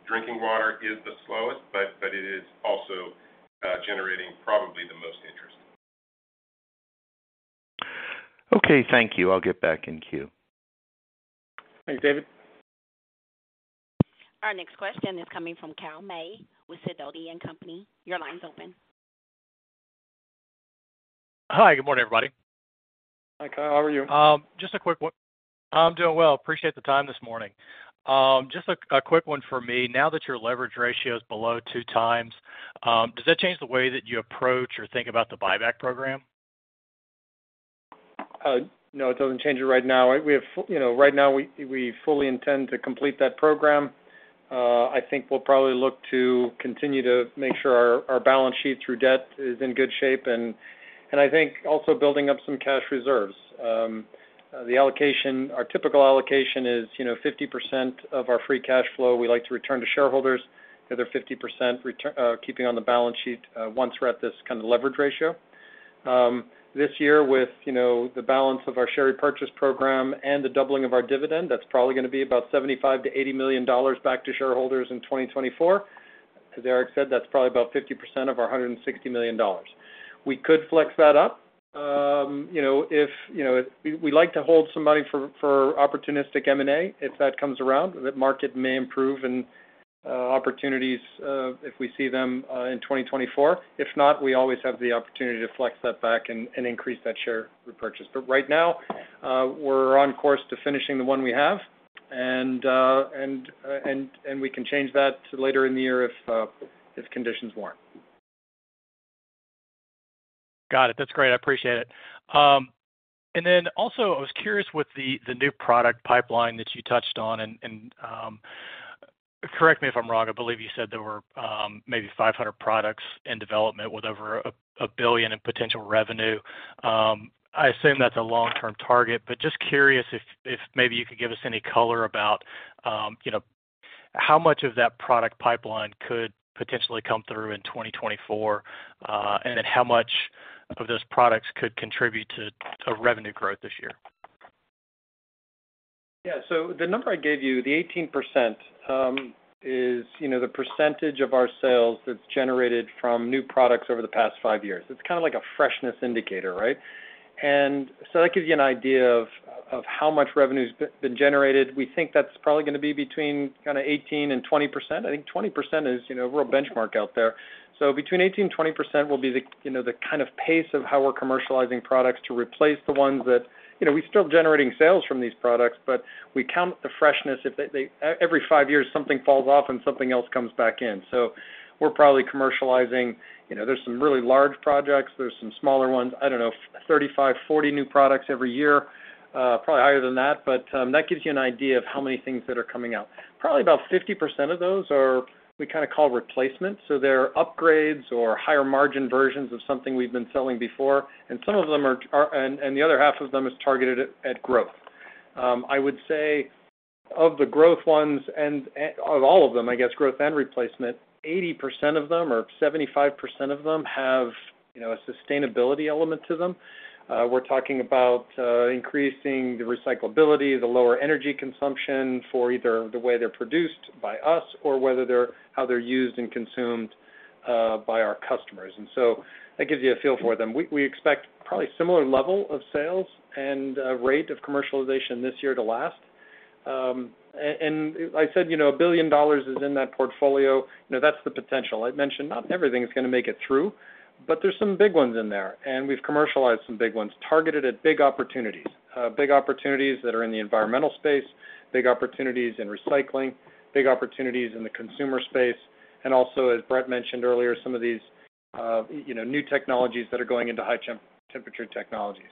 Drinking water is the slowest, but it is also generating probably the most interest. Okay, thank you. I'll get back in queue. Thanks, David. ... Our next question is coming from Kyle May with Sidoti & Company. Your line's open. Hi, good morning, everybody. Hi, Kyle. How are you? Just a quick one. I'm doing well. Appreciate the time this morning. Just a quick one for me. Now that your leverage ratio is below 2x, does that change the way that you approach or think about the buyback program? No, it doesn't change it right now. We have, you know, right now, we fully intend to complete that program. I think we'll probably look to continue to make sure our balance sheet through debt is in good shape, and I think also building up some cash reserves. The allocation, our typical allocation is, you know, 50% of our free cash flow, we like to return to shareholders. The other 50%, keeping on the balance sheet, once we're at this kind of leverage ratio. This year, with, you know, the balance of our share repurchase program and the doubling of our dividend, that's probably gonna be about $75 million-$80 million back to shareholders in 2024. As Erik said, that's probably about 50% of our $160 million. We could flex that up, you know, if you know, we like to hold some money for opportunistic M&A, if that comes around, the market may improve and opportunities if we see them in 2024. If not, we always have the opportunity to flex that back and increase that share repurchase. But right now, we're on course to finishing the one we have, and we can change that later in the year if conditions warrant. Got it. That's great. I appreciate it. And then also, I was curious with the new product pipeline that you touched on, and correct me if I'm wrong, I believe you said there were maybe 500 products in development with over $1 billion in potential revenue. I assume that's a long-term target, but just curious if maybe you could give us any color about, you know, how much of that product pipeline could potentially come through in 2024, and then how much of those products could contribute to revenue growth this year? Yeah. So the number I gave you, the 18%, is, you know, the percentage of our sales that's generated from new products over the past five years. It's kind of like a freshness indicator, right? And so that gives you an idea of how much revenue's been generated. We think that's probably gonna be between kinda 18% and 20%. I think 20% is, you know, a real benchmark out there. So between 18% and 20% will be the, you know, the kind of pace of how we're commercializing products to replace the ones that... You know, we're still generating sales from these products, but we count the freshness. If they-- every five years, something falls off and something else comes back in. So we're probably commercializing, you know, there's some really large projects, there's some smaller ones, I don't know, 35, 40 new products every year, probably higher than that, but that gives you an idea of how many things that are coming out. Probably about 50% of those are, we kinda call replacements, so they're upgrades or higher-margin versions of something we've been selling before, and the other half of them is targeted at growth. I would say, of the growth ones and of all of them, I guess, growth and replacement, 80% of them, or 75% of them have, you know, a sustainability element to them. We're talking about increasing the recyclability, the lower energy consumption for either the way they're produced by us or whether they're, how they're used and consumed by our customers. And so that gives you a feel for them. We expect probably a similar level of sales and rate of commercialization this year to last. And I said, you know, $1 billion is in that portfolio. You know, that's the potential. I've mentioned, not everything is gonna make it through, but there's some big ones in there, and we've commercialized some big ones, targeted at big opportunities. Big opportunities that are in the environmental space, big opportunities in recycling, big opportunities in the consumer space, and also, as Brett mentioned earlier, some of these, you know, new technologies that are going into high-temperature technology.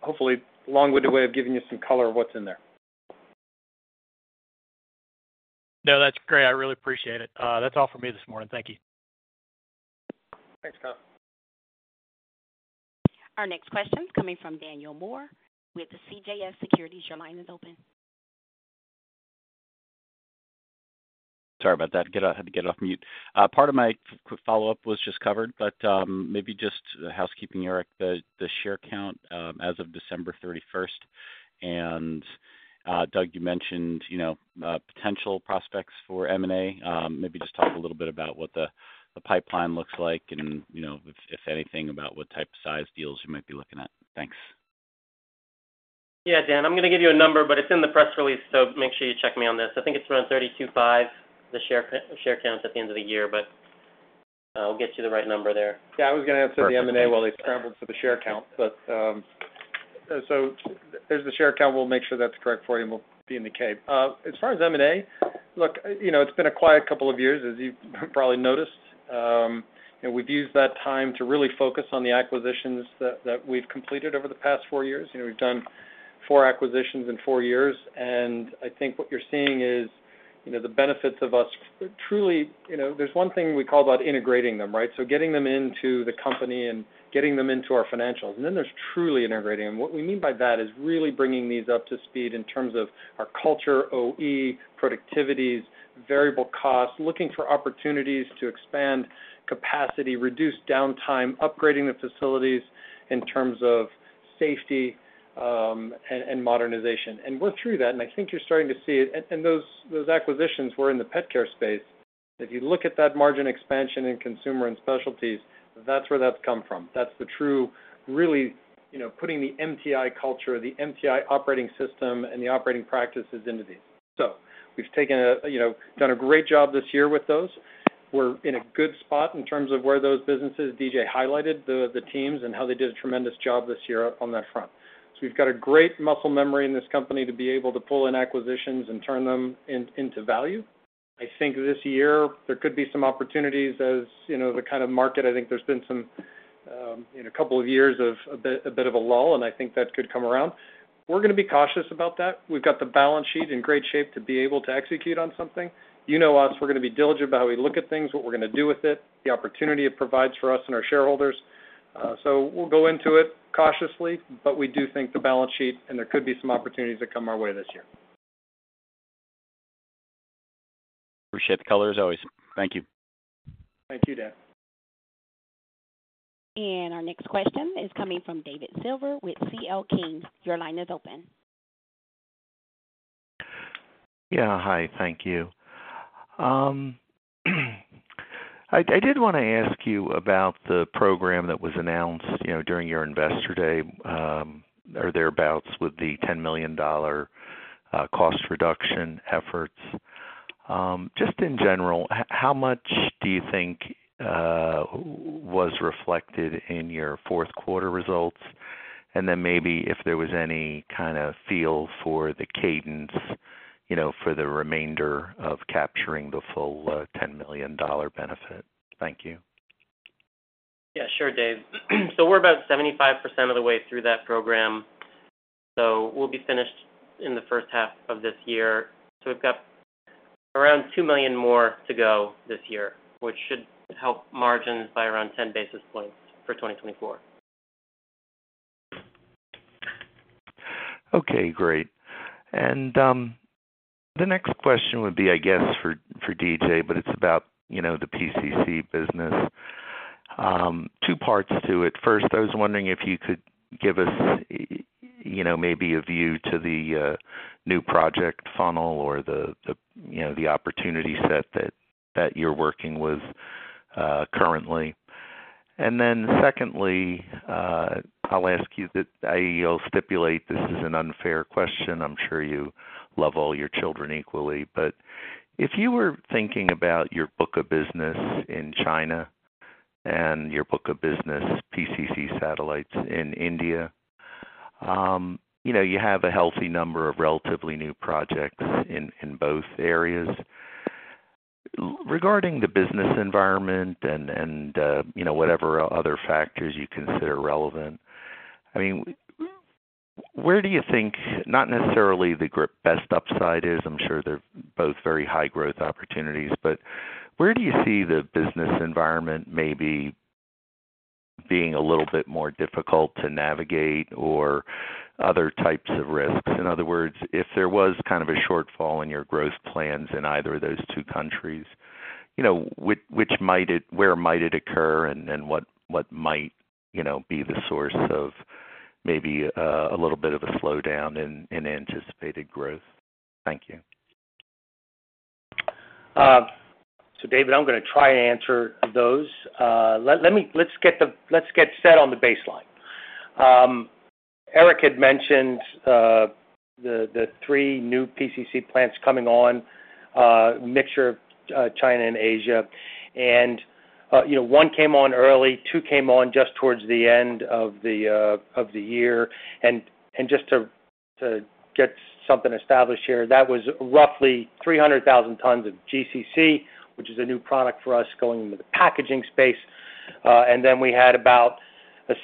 Hopefully, a long-winded way of giving you some color of what's in there. No, that's great. I really appreciate it. That's all for me this morning. Thank you. Thanks, Kyle. Our next question is coming from Daniel Moore with the CJS Securities. Your line is open. Sorry about that. Got off—I had to get it off mute. Part of my follow-up was just covered, but maybe just the housekeeping, Erik, the share count as of December thirty-first. Doug, you mentioned, you know, potential prospects for M&A. Maybe just talk a little bit about what the pipeline looks like and, you know, if anything, about what type of size deals you might be looking at. Thanks. Yeah, Dan, I'm gonna give you a number, but it's in the press release, so make sure you check me on this. I think it's around 32.5, the share count, share count at the end of the year, but, I'll get you the right number there. Yeah, I was gonna answer the M&A while he scrambled for the share count. But, so there's the share count. We'll make sure that's correct for you, and we'll be in the K. As far as M&A, look, you know, it's been a quiet couple of years, as you've probably noticed. And we've used that time to really focus on the acquisitions that, that we've completed over the past four years. You know, we've done four acquisitions in four years, and I think what you're seeing is, you know, the benefits of us. Truly, you know, there's one thing we call about integrating them, right? So getting them into the company and getting them into our financials. And then there's truly integrating them. What we mean by that is really bringing these up to speed in terms of our culture, OE, productivities, variable costs, looking for opportunities to expand capacity, reduce downtime, upgrading the facilities in terms of safety, and modernization. And we're through that, and I think you're starting to see it. And those acquisitions were in the pet care space.... If you look at that margin expansion in Consumer and Specialties, that's where that's come from. That's the true, really, you know, putting the MTI culture, the MTI operating system, and the operating practices into these. So we've, you know, done a great job this year with those. We're in a good spot in terms of where those businesses. DJ highlighted the teams and how they did a tremendous job this year on that front. So we've got a great muscle memory in this company to be able to pull in acquisitions and turn them in, into value. I think this year there could be some opportunities as, you know, the kind of market. I think there's been some in a couple of years of a bit, a bit of a lull, and I think that could come around. We're gonna be cautious about that. We've got the balance sheet in great shape to be able to execute on something. You know us, we're gonna be diligent about how we look at things, what we're gonna do with it, the opportunity it provides for us and our shareholders. So we'll go into it cautiously, but we do think the balance sheet, and there could be some opportunities that come our way this year. Appreciate the color as always. Thank you. Thank you, Dan. Our next question is coming from David Silver with C.L. King. Your line is open. Yeah, hi. Thank you. I did wanna ask you about the program that was announced, you know, during your Investor Day, or thereabouts, with the $10 million cost reduction efforts. Just in general, how much do you think was reflected in your fourth quarter results? And then maybe if there was any kinda feel for the cadence, you know, for the remainder of capturing the full $10 million benefit. Thank you. Yeah, sure, Dave. So we're about 75% of the way through that program, so we'll be finished in the first half of this year. So we've got around $2 million more to go this year, which should help margins by around 10 basis points for 2024. Okay, great. And the next question would be, I guess, for DJ, but it's about, you know, the PCC business. Two parts to it. First, I was wondering if you could give us, you know, maybe a view to the new project funnel or the, you know, the opportunity set that you're working with currently. And then secondly, I'll stipulate this is an unfair question. I'm sure you love all your children equally, but if you were thinking about your book of business in China and your book of business, PCC Satellites in India, you know, you have a healthy number of relatively new projects in both areas. Regarding the business environment, you know, whatever other factors you consider relevant, I mean, where do you think, not necessarily the greatest upside is, I'm sure they're both very high growth opportunities, but where do you see the business environment maybe being a little bit more difficult to navigate or other types of risks? In other words, if there was kind of a shortfall in your growth plans in either of those two countries, you know, which might it—where might it occur? And what might, you know, be the source of maybe a little bit of a slowdown in anticipated growth? Thank you. So David, I'm gonna try and answer those. Let me get set on the baseline. Erik had mentioned the three new PCC plants coming on, a mixture of China and Asia, and you know, one came on early, two came on just towards the end of the year. And just to get something established here, that was roughly 300,000 tons of GCC, which is a new product for us going into the packaging space. And then we had about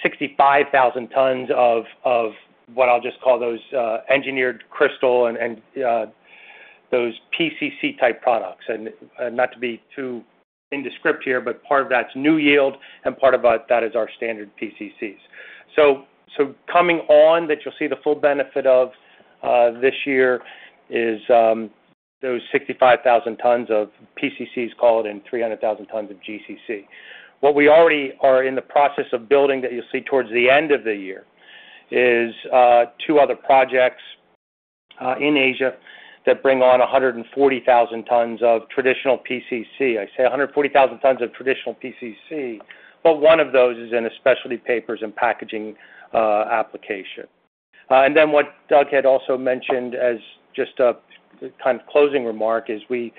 65,000 tons of what I'll just call those engineered crystal and those PCC-type products. And not to be too into script here, but part of that's NewYield, and part about that is our standard PCCs. So coming on, that you'll see the full benefit of this year is those 65,000 tons of PCCs called and 300,000 tons of GCC. What we already are in the process of building, that you'll see towards the end of the year, is two other projects in Asia that bring on 140,000 tons of traditional PCC. I say 140,000 tons of traditional PCC, but one of those is in a specialty papers and packaging application. And then what Doug had also mentioned as just a kind of closing remark is we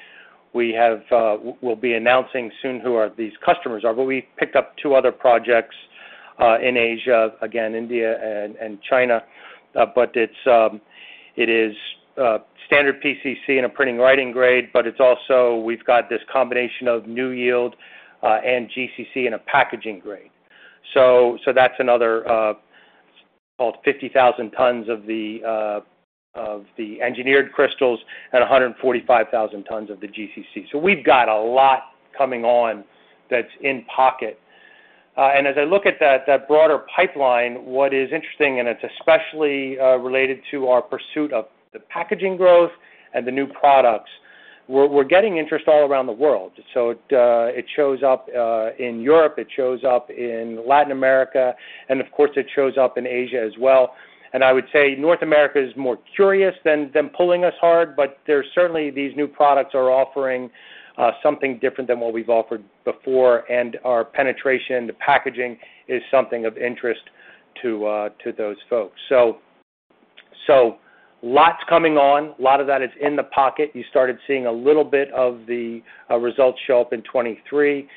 have, we'll be announcing soon who are these customers are, but we picked up two other projects in Asia, again, India and China. But it's, it is standard PCC in a printing writing grade, but it's also we've got this combination of NewYield and GCC in a packaging grade. So that's another, call it 50,000 tons of the engineered crystals and 145,000 tons of the GCC. So we've got a lot coming on that's in pocket. And as I look at that broader pipeline, what is interesting, and it's especially related to our pursuit of the packaging growth and the new products, we're getting interest all around the world. So it shows up in Europe, it shows up in Latin America, and of course, it shows up in Asia as well. I would say North America is more curious than pulling us hard, but there's certainly these new products are offering something different than what we've offered before. Our penetration into packaging is something of interest to those folks. So lots coming on. A lot of that is in the pocket. You started seeing a little bit of the results show up in 2023.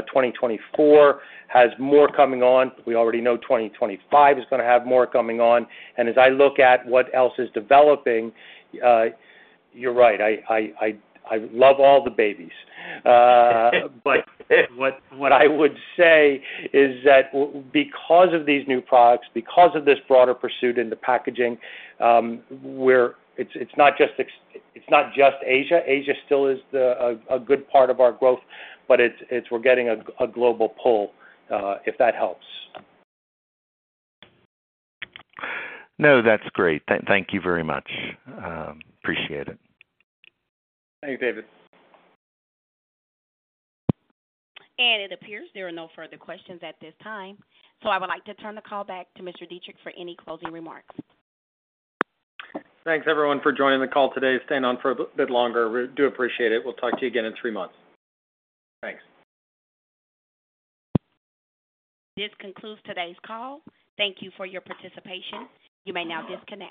2024 has more coming on. We already know 2025 is gonna have more coming on. And as I look at what else is developing, you're right, I love all the babies. But what I would say is that because of these new products, because of this broader pursuit in the packaging, we're. It's not just Asia. Asia still is a good part of our growth, but we're getting a global pull, if that helps. No, that's great. Thank you very much. Appreciate it. Thanks, David. It appears there are no further questions at this time, so I would like to turn the call back to Mr. Dietrich for any closing remarks. Thanks, everyone, for joining the call today. Stay on for a bit longer. We do appreciate it. We'll talk to you again in three months. Thanks. This concludes today's call. Thank you for your participation. You may now disconnect.